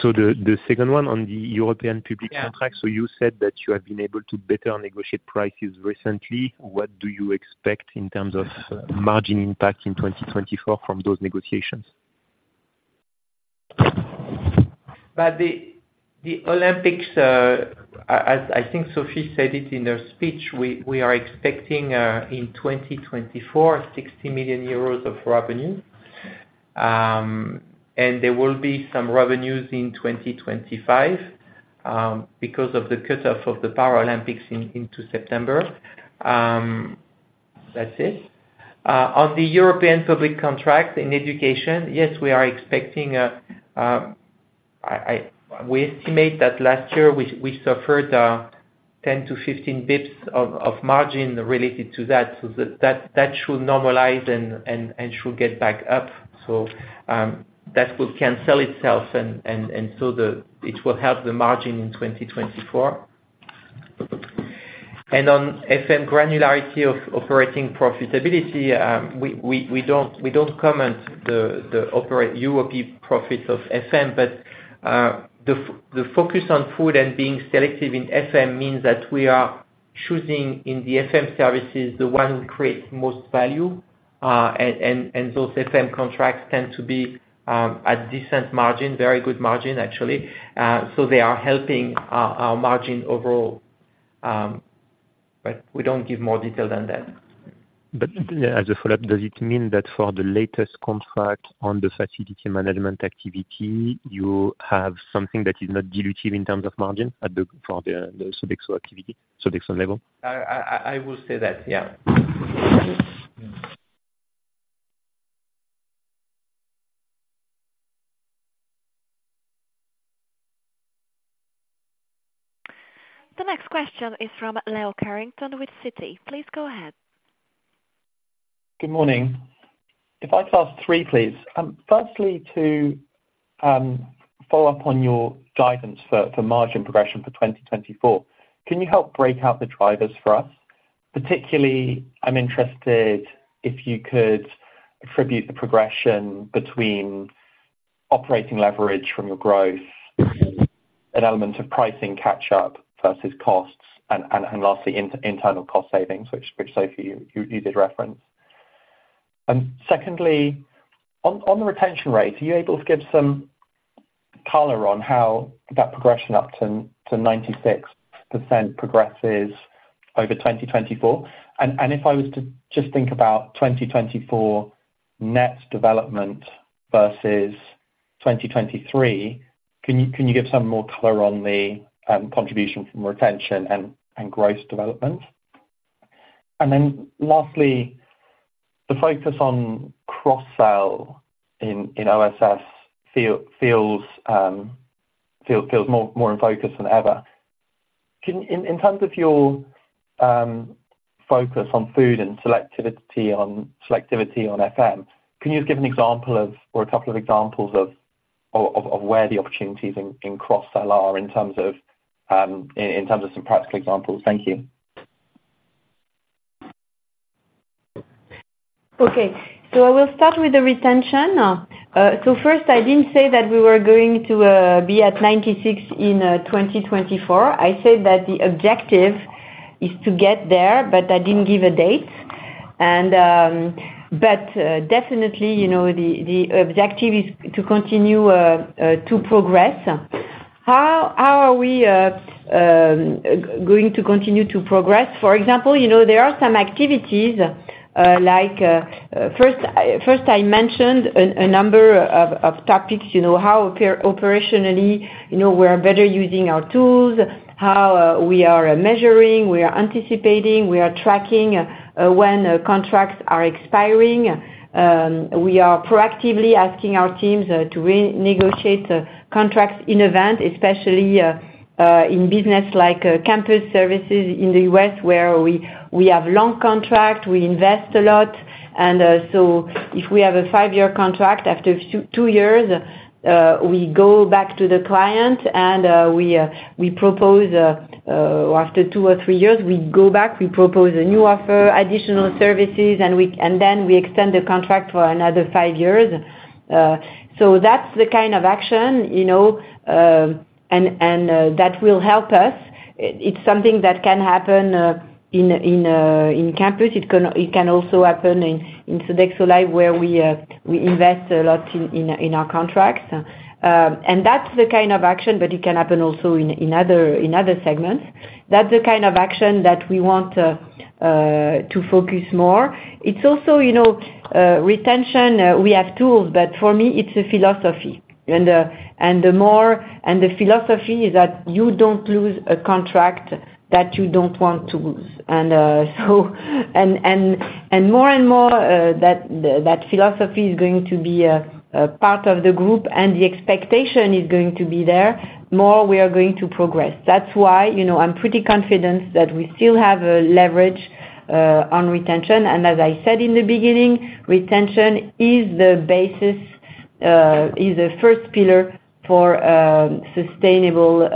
So the second one on the European public contract- Yeah. You said that you have been able to better negotiate prices recently. What do you expect in terms of margin impact in 2024 from those negotiations? But the Olympics, as I think Sophie said it in her speech, we are expecting in 2024, 60 million euros of revenue. And there will be some revenues in 2025, because of the cutoff of the Paralympics into September. That's it. On the European public contract in education, yes, we are expecting. We estimate that last year we suffered a 10-15 basis points of margin related to that. So that should normalize and should get back up. That will cancel itself and so it will help the margin in 2024. On FM granularity of operating profitability, we don't comment the operating European profits of FM. But, the focus on food and being selective in FM means that we are choosing, in the FM services, the one who creates most value. And those FM contracts tend to be, a decent margin, very good margin actually. So they are helping, our margin overall, but we don't give more detail than that. As a follow-up, does it mean that for the latest contract on the facility management activity, you have something that is not dilutive in terms of margin at the Sodexo activity, Sodexo level? I will say that, yeah. The next question is from Leo Carrington with Citi. Please go ahead. Good morning. If I could ask three, please. Firstly, to follow up on your guidance for margin progression for 2024, can you help break out the drivers for us? Particularly, I'm interested if you could attribute the progression between operating leverage from your growth, an element of pricing catch up versus costs, and lastly, internal cost savings, which Sophie, you did reference. And secondly, on the retention rate, are you able to give some color on how that progression up to 96% progresses over 2024? And if I was to just think about 2024 net development versus 2023, can you give some more color on the contribution from retention and growth development? Then lastly, the focus on cross-sell in OSS feels more in focus than ever. Can you... In terms of your focus on food and selectivity on FM, can you just give an example of, or a couple of examples of, where the opportunities in cross-sell are, in terms of some practical examples? Thank you. Okay, I will start with the retention. First, I didn't say that we were going to be at 96% in 2024. I said that the objective is to get there, but I didn't give a date. But definitely, you know, the objective is to continue to progress. How are we going to continue to progress? For example, you know, there are some activities like first I mentioned a number of topics, you know, how operationally, you know, we are better using our tools, how we are measuring, we are anticipating, we are tracking when contracts are expiring. We are proactively asking our teams to renegotiate contracts in event, especially in business like campus services in the U.S., where we have long contract, we invest a lot. So if we have a five-year contract, after two years, we go back to the client, and we propose, after two or three years, we go back, we propose a new offer, additional services, and then we extend the contract for another five years. So that's the kind of action, you know, and that will help us. It's something that can happen in campus. It can also happen in Sodexo Live, where we invest a lot in our contracts. And that's the kind of action, but it can happen also in other segments. That's the kind of action that we want to focus more. It's also, you know, retention, we have tools, but for me, it's a philosophy. And the more and the philosophy is that you don't lose a contract that you don't want to lose. And so, and more and more, that philosophy is going to be a part of the group, and the expectation is going to be there, more we are going to progress. That's why, you know, I'm pretty confident that we still have a leverage on retention. And as I said in the beginning, retention is the basis, is the first pillar for sustainable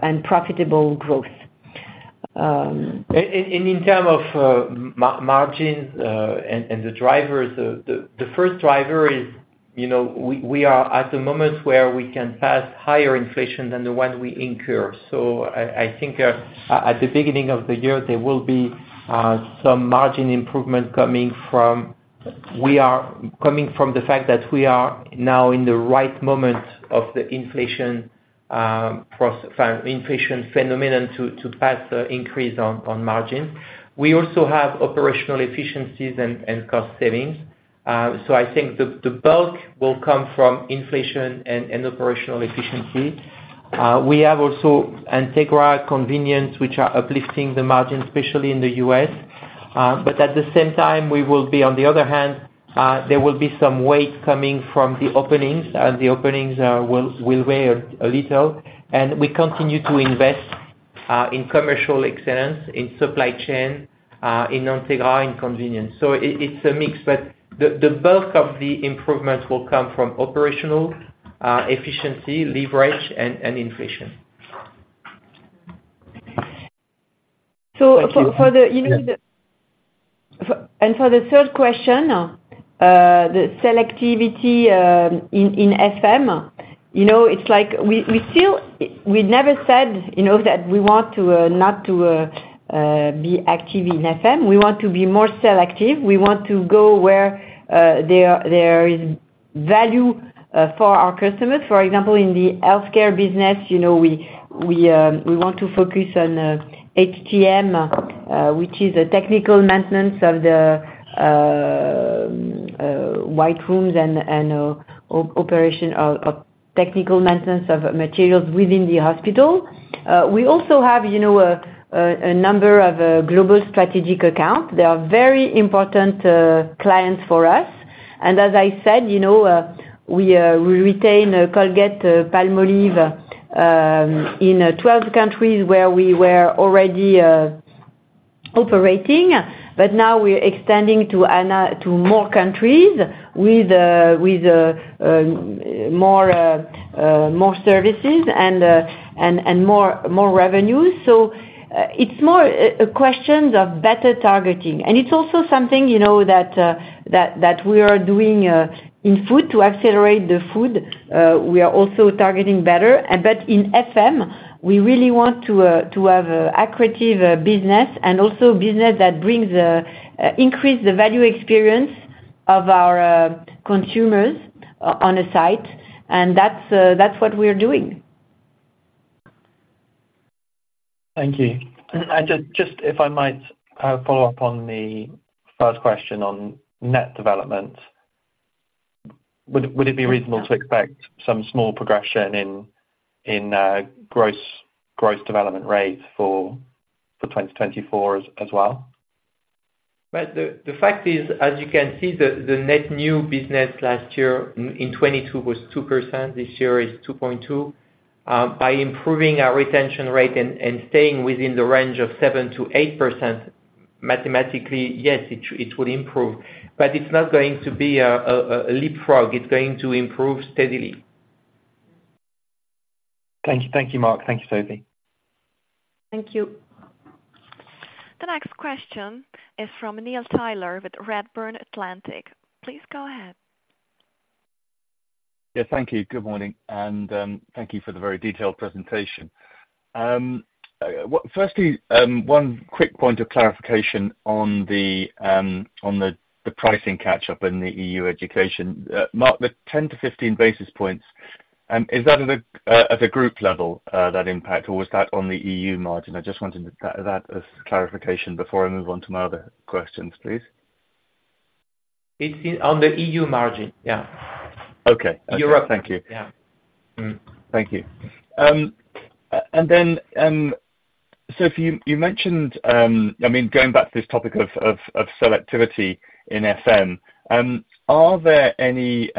and profitable growth. And in terms of margins, and the drivers, the first driver is, you know, we are at the moment where we can pass higher inflation than the one we incur. So I think at the beginning of the year, there will be some margin improvement coming from... coming from the fact that we are now in the right moment of the inflation phenomenon to pass increase on margin. We also have operational efficiencies and cost savings. So I think the bulk will come from inflation and operational efficiency. We have also Entegra convenience, which are uplifting the margin, especially in the U.S. But at the same time, we will be, on the other hand, there will be some weight coming from the openings, and the openings will weigh a little. And we continue to invest in commercial excellence, in supply chain, in Entegra and convenience. So it, it's a mix, but the bulk of the improvements will come from operational efficiency, leverage, and inflation. So for the, you know, the- Yeah. And for the third question, the selectivity in FM, you know, it's like we still, we never said, you know, that we want to not to be active in FM. We want to be more selective. We want to know where there is value for our customers. For example, in the healthcare business, you know, we want to focus on HTM, which is a technical maintenance of the white rooms and operation of technical maintenance of materials within the hospital. We also have, you know, a number of global strategic accounts. They are very important clients for us. And as I said, you know, we retain Colgate-Palmolive in 12 countries where we were already operating, but now we're extending to more countries with more services and more revenues. So, it's more a question of better targeting, and it's also something, you know, that we are doing in food to accelerate the food. We are also targeting better, but in FM, we really want to have accretive business and also business that brings increase the value experience of our consumers on a site, and that's what we're doing. Thank you. And just if I might follow up on the first question on net development, would it be reasonable to expect some small progression in gross development rates for 2024 as well? Well, the fact is, as you can see, the net new business last year in 2022 was 2%, this year is 2.2%. By improving our retention rate and staying within the range of 7%-8%, mathematically, yes, it will improve. But it's not going to be a leapfrog, it's going to improve steadily. Thank you. Thank you, Marc. Thank you, Sophie. Thank you. The next question is from Neil Tyler with Redburn Atlantic. Please go ahead.... Yeah, thank you. Good morning, and thank you for the very detailed presentation. Firstly, one quick point of clarification on the pricing catch-up in the EU education. Marc, the 10-15 basis points, is that at a group level, that impact, or was that on the EU margin? I just wanted to clear that as clarification before I move on to my other questions, please. It's in on the EU margin. Yeah. Okay. Europe. Thank you. Yeah. Thank you. And then, so if you mentioned, I mean, going back to this topic of selectivity in FM, are there any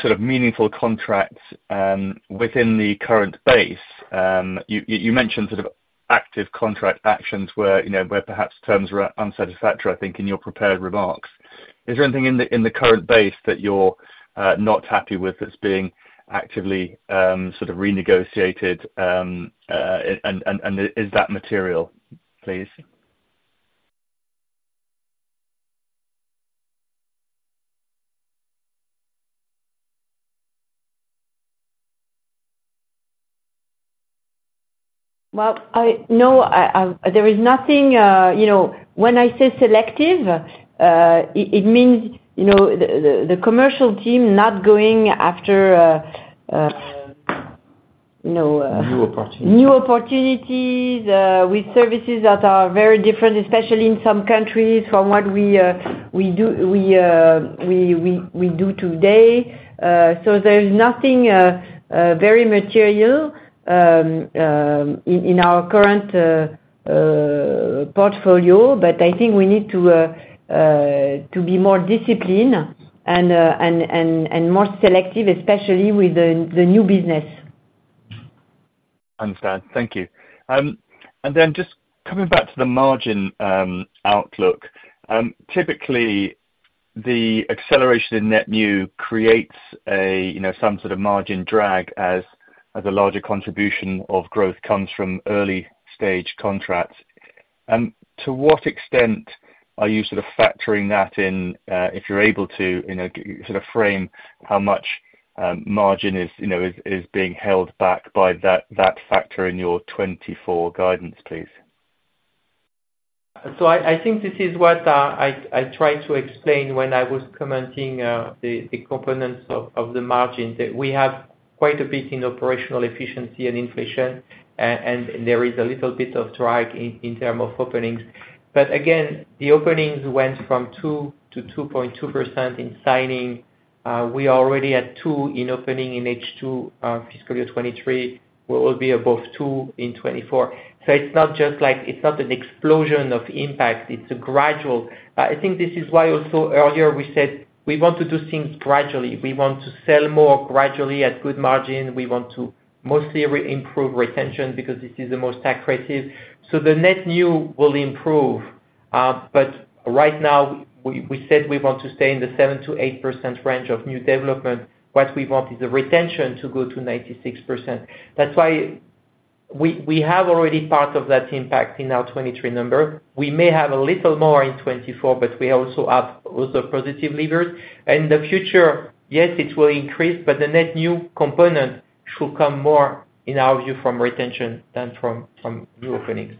sort of meaningful contracts within the current base? You mentioned sort of active contract actions where, you know, where perhaps terms were unsatisfactory, I think, in your prepared remarks. Is there anything in the current base that you're not happy with, that's being actively sort of renegotiated, and is that material, please? Well, no, there is nothing, you know, when I say selective, it means, you know, the commercial team not going after, you know, New opportunities. New opportunities with services that are very different, especially in some countries, from what we do today. So there's nothing very material in our current portfolio, but I think we need to be more disciplined and more selective, especially with the new business. Understand. Thank you. And then just coming back to the margin outlook, typically, the acceleration in net new creates a, you know, some sort of margin drag as, as a larger contribution of growth comes from early stage contracts. To what extent are you sort of factoring that in, if you're able to, in a, sort of frame, how much margin is, you know, being held back by that, that factor in your 2024 guidance, please? So I think this is what I tried to explain when I was commenting the components of the margin, that we have quite a bit in operational efficiency and inflation, and there is a little bit of drag in term of openings. But again, the openings went from 2%-2.2% in signing. We are already at 2% in opening in H2 fiscal year 2023, where we'll be above 2% in 2024. So it's not just like... It's not an explosion of impact, it's a gradual. I think this is why also earlier we said, we want to do things gradually. We want to sell more gradually at good margin. We want to mostly re-improve retention, because this is the most accurate. So the net new will improve, but right now, we said we want to stay in the 7%-8% range of new development. What we want is the retention to go to 96%. That's why we have already part of that impact in our 2023 number. We may have a little more in 2024, but we also have other positive levers. And in the future, yes, it will increase, but the net new component should come more, in our view, from retention than from new openings.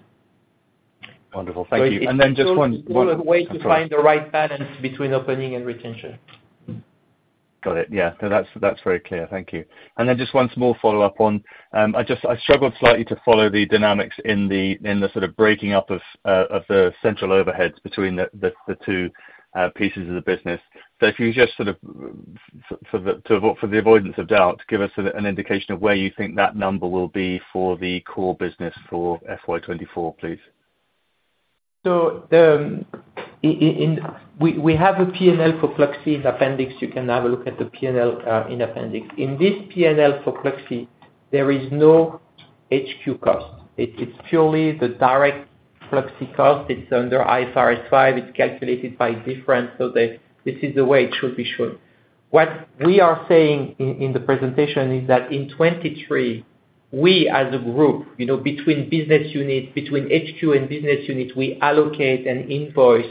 Wonderful. Thank you. So it- And then just one. One way to find the right balance between opening and retention. Got it. Yeah. So that's, that's very clear. Thank you. And then just one small follow-up on, I just struggled slightly to follow the dynamics in the, in the sort of breaking up of the central overheads between the, the two pieces of the business. So if you just sort of, for the avoidance of doubt, give us an indication of where you think that number will be for the core business for FY 2024, please. We have a P&L for Pluxee in Appendix. You can have a look at the P&L in Appendix. In this P&L for Pluxee, there is no HQ cost. It's purely the direct Pluxee cost. It's under IFRS 5, it's calculated by difference, so that this is the way it should be shown. What we are saying in the presentation is that in 2023, we, as a group, you know, between business units, between HQ and business units, we allocate and invoice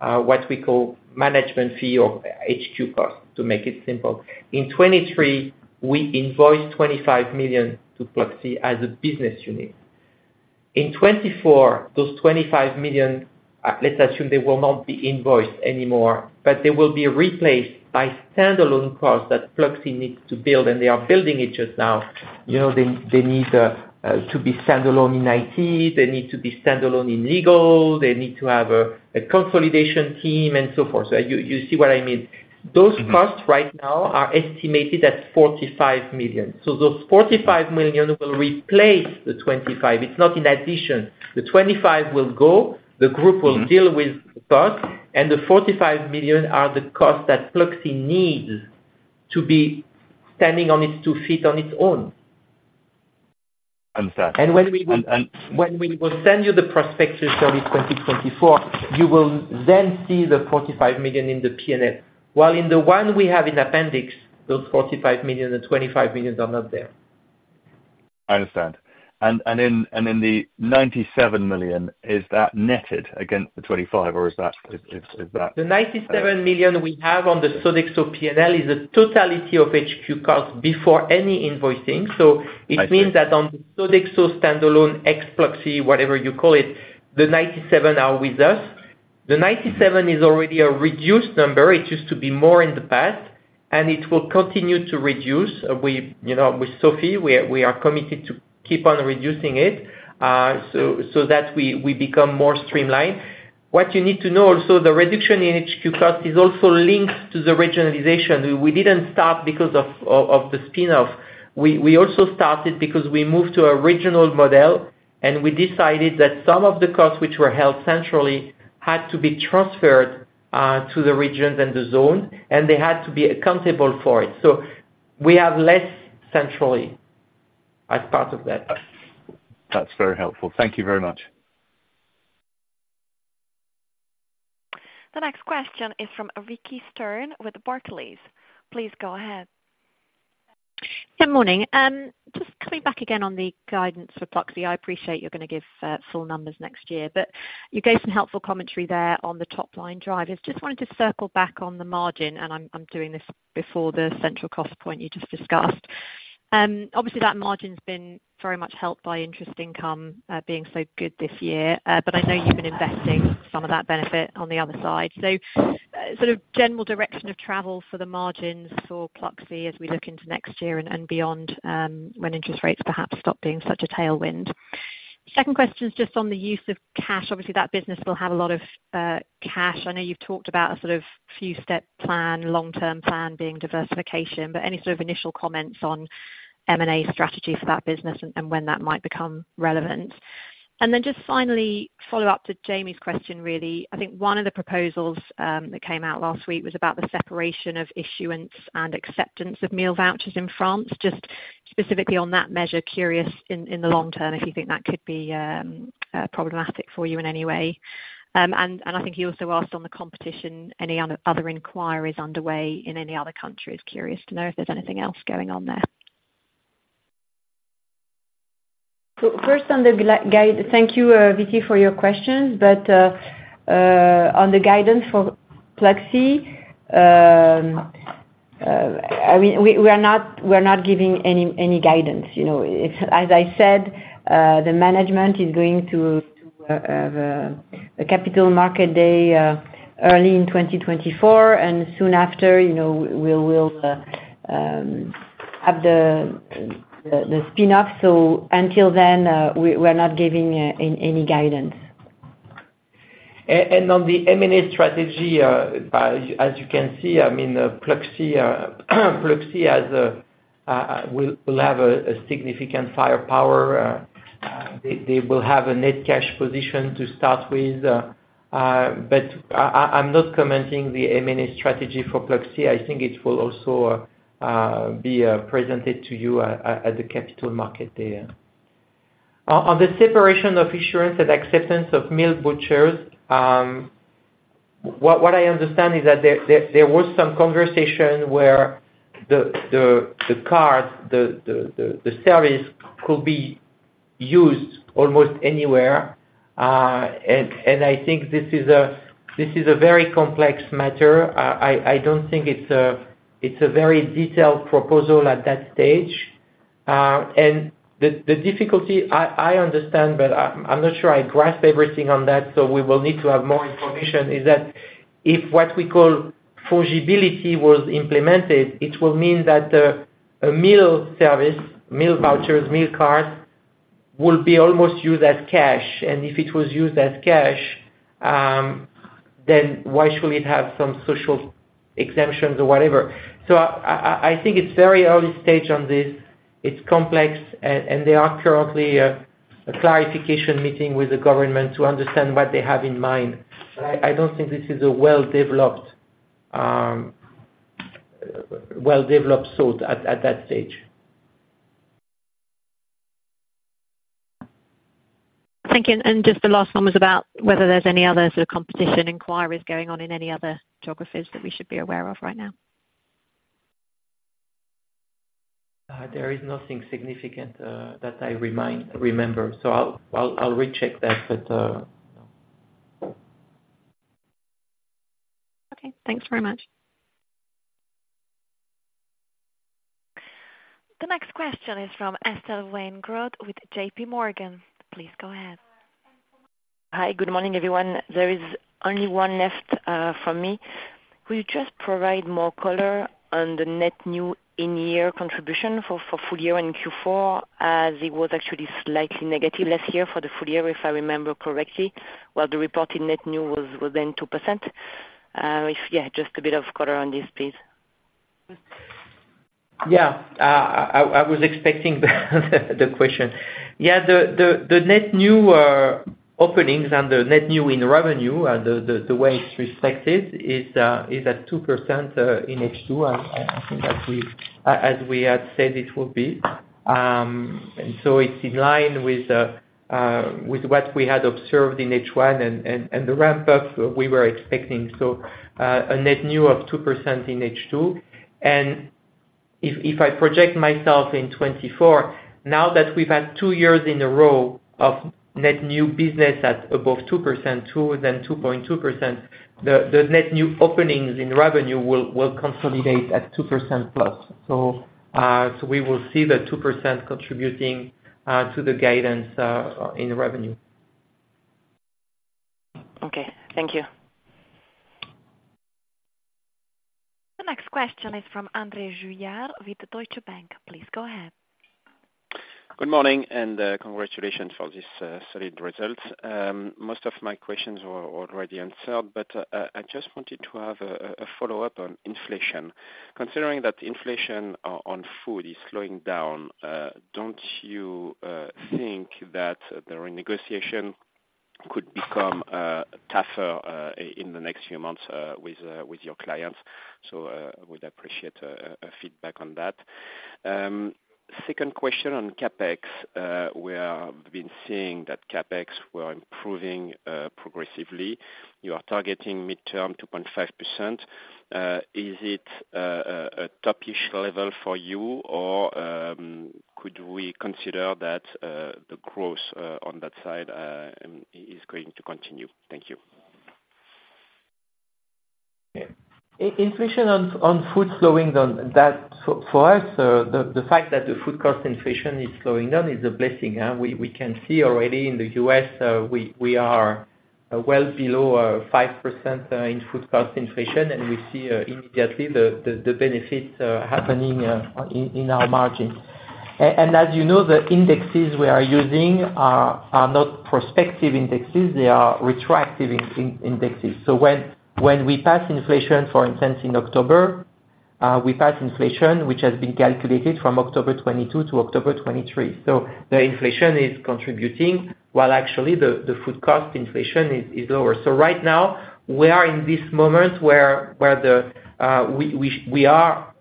what we call management fee or HQ cost, to make it simple. In 2023, we invoice 25 million to Pluxee as a business unit. In 2024, those 25 million, let's assume they will not be invoiced anymore, but they will be replaced by standalone costs that Pluxee needs to build, and they are building it just now. You know, they need to be standalone in IT, they need to be standalone in legal, they need to have a consolidation team and so forth. So you see what I mean? Mm-hmm. Those costs right now are estimated at 45 million. So those 45 million will replace the 25. It's not in addition. The 25 will go, the group- Mm-hmm... will deal with the cost, and the 45 million are the costs that Pluxee needs to be standing on its two feet on its own. Understood. When we- And, and- When we will send you the prospectus for this 2024, you will then see the 45 million in the P&L. While in the one we have in appendix, those 45 million and 25 million are not there.... I understand. And in the 97 million, is that netted against the 25, or is that- The 97 million we have on the Sodexo P&L is the totality of HQ costs before any invoicing. I see. It means that on Sodexo standalone, ex Pluxee, whatever you call it, the 97 million are with us. The 97 million is already a reduced number. It used to be more in the past, and it will continue to reduce. We, you know, with Sophie, we are committed to keep on reducing it, so that we become more streamlined. What you need to know also, the reduction in HQ cost is also linked to the regionalization. We didn't stop because of the spin-off. We also started because we moved to a regional model, and we decided that some of the costs which were held centrally had to be transferred to the regions and the zone, and they had to be accountable for it. So we have less centrally as part of that. That's very helpful. Thank you very much. The next question is from Vicki Stern with Barclays. Please go ahead. Good morning. Just coming back again on the guidance for Pluxee. I appreciate you're gonna give full numbers next year, but you gave some helpful commentary there on the top line drivers. Just wanted to circle back on the margin, and I'm doing this before the central cost point you just discussed. Obviously that margin's been very much helped by interest income being so good this year. But I know you've been investing some of that benefit on the other side. So, sort of general direction of travel for the margins for Pluxee, as we look into next year and beyond, when interest rates perhaps stop being such a tailwind. Second question is just on the use of cash. Obviously, that business will have a lot of cash. I know you've talked about a sort of few step plan, long-term plan being diversification, but any sort of initial comments on M&A strategy for that business and when that might become relevant? And then just finally, follow up to Jamie's question really. I think one of the proposals that came out last week was about the separation of issuance and acceptance of meal vouchers in France. Just specifically on that measure, curious in the long term if you think that could be problematic for you in any way? And I think he also asked on the competition, any other inquiries underway in any other countries. Curious to know if there's anything else going on there. So first on the guidance. Thank you, Vicki, for your questions, but, on the guidance for Pluxee, I mean, we are not, we're not giving any guidance. You know, it's, as I said, the management is going to the Capital Markets Day early in 2024, and soon after, you know, we will have the spin-off. So until then, we're not giving any guidance. And on the M&A strategy, as you can see, I mean, Pluxee has, will have a significant firepower. They will have a net cash position to start with. But I, I'm not commenting the M&A strategy for Pluxee. I think it will also be presented to you at the Capital Markets Day. On the separation of insurance and acceptance of meal vouchers, what I understand is that there was some conversation where the card, the service could be used almost anywhere. And I think this is a very complex matter. I don't think it's a very detailed proposal at that stage. And the difficulty I understand, but I'm not sure I grasp everything on that, so we will need to have more information, is that if what we call forgeability was implemented, it will mean that a meal service, meal vouchers, meal cards, will be almost used as cash. If it was used as cash, then why should it have some social exemptions or whatever? I think it's very early stage on this. It's complex, and there are currently a clarification meeting with the government to understand what they have in mind. But I don't think this is a well-developed thought at that stage. Thank you. Just the last one was about whether there's any other sort of competition inquiries going on in any other geographies that we should be aware of right now? There is nothing significant that I remember, so I'll recheck that, but... Okay, thanks very much. The next question is from Estelle Weingrod with JPMorgan. Please go ahead. Hi, good morning, everyone. There is only one left, from me. Will you just provide more color on the net new in-year contribution for, for full year and Q4, as it was actually slightly negative last year for the full year, if I remember correctly, while the reported net new was within 2%? If, yeah, just a bit of color on this, please. Yeah. I was expecting the question. Yeah, the net new openings and the net new in revenue, and the way it's reflected is at 2% in H2. I think as we had said it will be. And so it's in line with what we had observed in H1 and the ramp up we were expecting. So, a net new of 2% in H2. And if I project myself in 2024, now that we've had two years in a row of net new business at above 2%, then 2.2%, the net new openings in revenue will consolidate at 2%+. So, we will see the 2% contributing to the guidance in revenue. Okay, thank you. The next question is from André Juillard with Deutsche Bank, please go ahead. Good morning, and, congratulations for this, solid result. Most of my questions were already answered, but, I just wanted to have a follow-up on inflation. Considering that inflation on food is slowing down, don't you think that the renegotiation could become tougher in the next few months with your clients? So, would appreciate a feedback on that. Second question on CapEx. We've been seeing that CapEx were improving progressively. You are targeting mid-term 2.5%. Is it a top-ish level for you, or could we consider that the growth on that side is going to continue? Thank you. Yeah. Inflation on food slowing down, that for us, the fact that the food cost inflation is slowing down is a blessing. We can see already in the U.S., we are well below 5% in food cost inflation, and we see immediately the benefits happening in our margins. And as you know, the indexes we are using are not prospective indexes, they are retroactive indexes. So when we pass inflation, for instance, in October, we pass inflation, which has been calculated from October 2022 to October 2023. So the inflation is contributing, while actually the food cost inflation is lower. So right now, we are in this moment where we are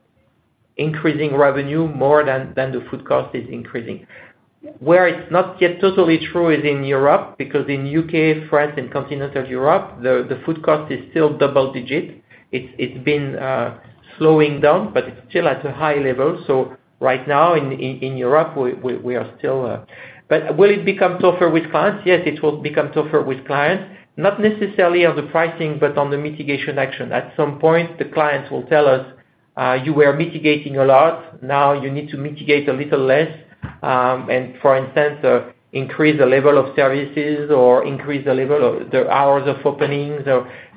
increasing revenue more than the food cost is increasing. Where it's not yet totally true is in Europe, because in U.K., France, and continental Europe, the food cost is still double digit. It's been slowing down, but it's still at a high level. So right now, in Europe, we are still... But will it become tougher with clients? Yes, it will become tougher with clients, not necessarily on the pricing, but on the mitigation action. At some point, the clients will tell us, "You were mitigating a lot, now you need to mitigate a little less, and for instance, increase the level of services or increase the level of the hours of openings."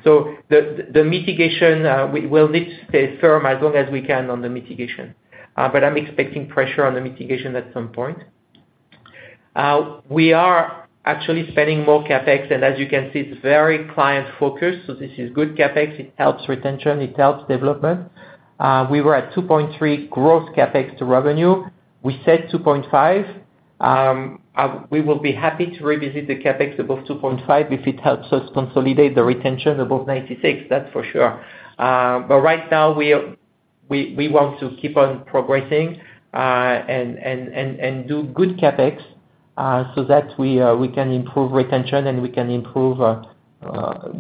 So the mitigation, we will need to stay firm as long as we can on the mitigation, but I'm expecting pressure on the mitigation at some point. We are actually spending more CapEx, and as you can see, it's very client-focused, so this is good CapEx, it helps retention, it helps development. We were at 2.3 growth CapEx to revenue. We said 2.5, we will be happy to revisit the CapEx above 2.5 if it helps us consolidate the retention above 96, that's for sure. But right now, we want to keep on progressing, and do good CapEx, so that we can improve retention, and we can improve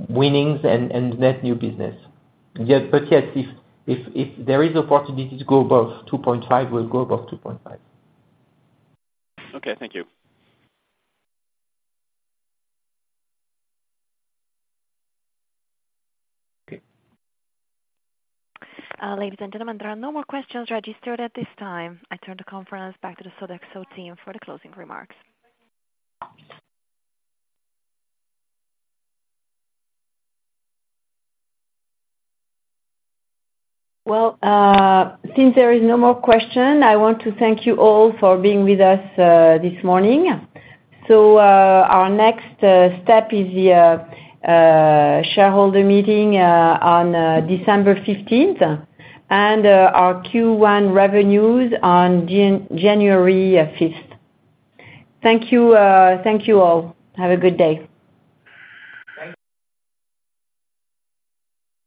winnings and net new business. Yeah, but yes, if there is opportunity to go above 2.5, we'll go above 2.5. Okay, thank you. Okay. Ladies and gentlemen, there are no more questions registered at this time. I turn the conference back to the Sodexo team for the closing remarks. Well, since there is no more question, I want to thank you all for being with us, this morning. So, our next step is the shareholder meeting on December fifteenth, and our Q1 revenues on January fifth. Thank you, thank you all. Have a good day.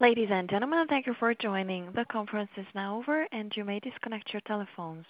Ladies and gentlemen, thank you for joining. The conference is now over, and you may disconnect your telephones.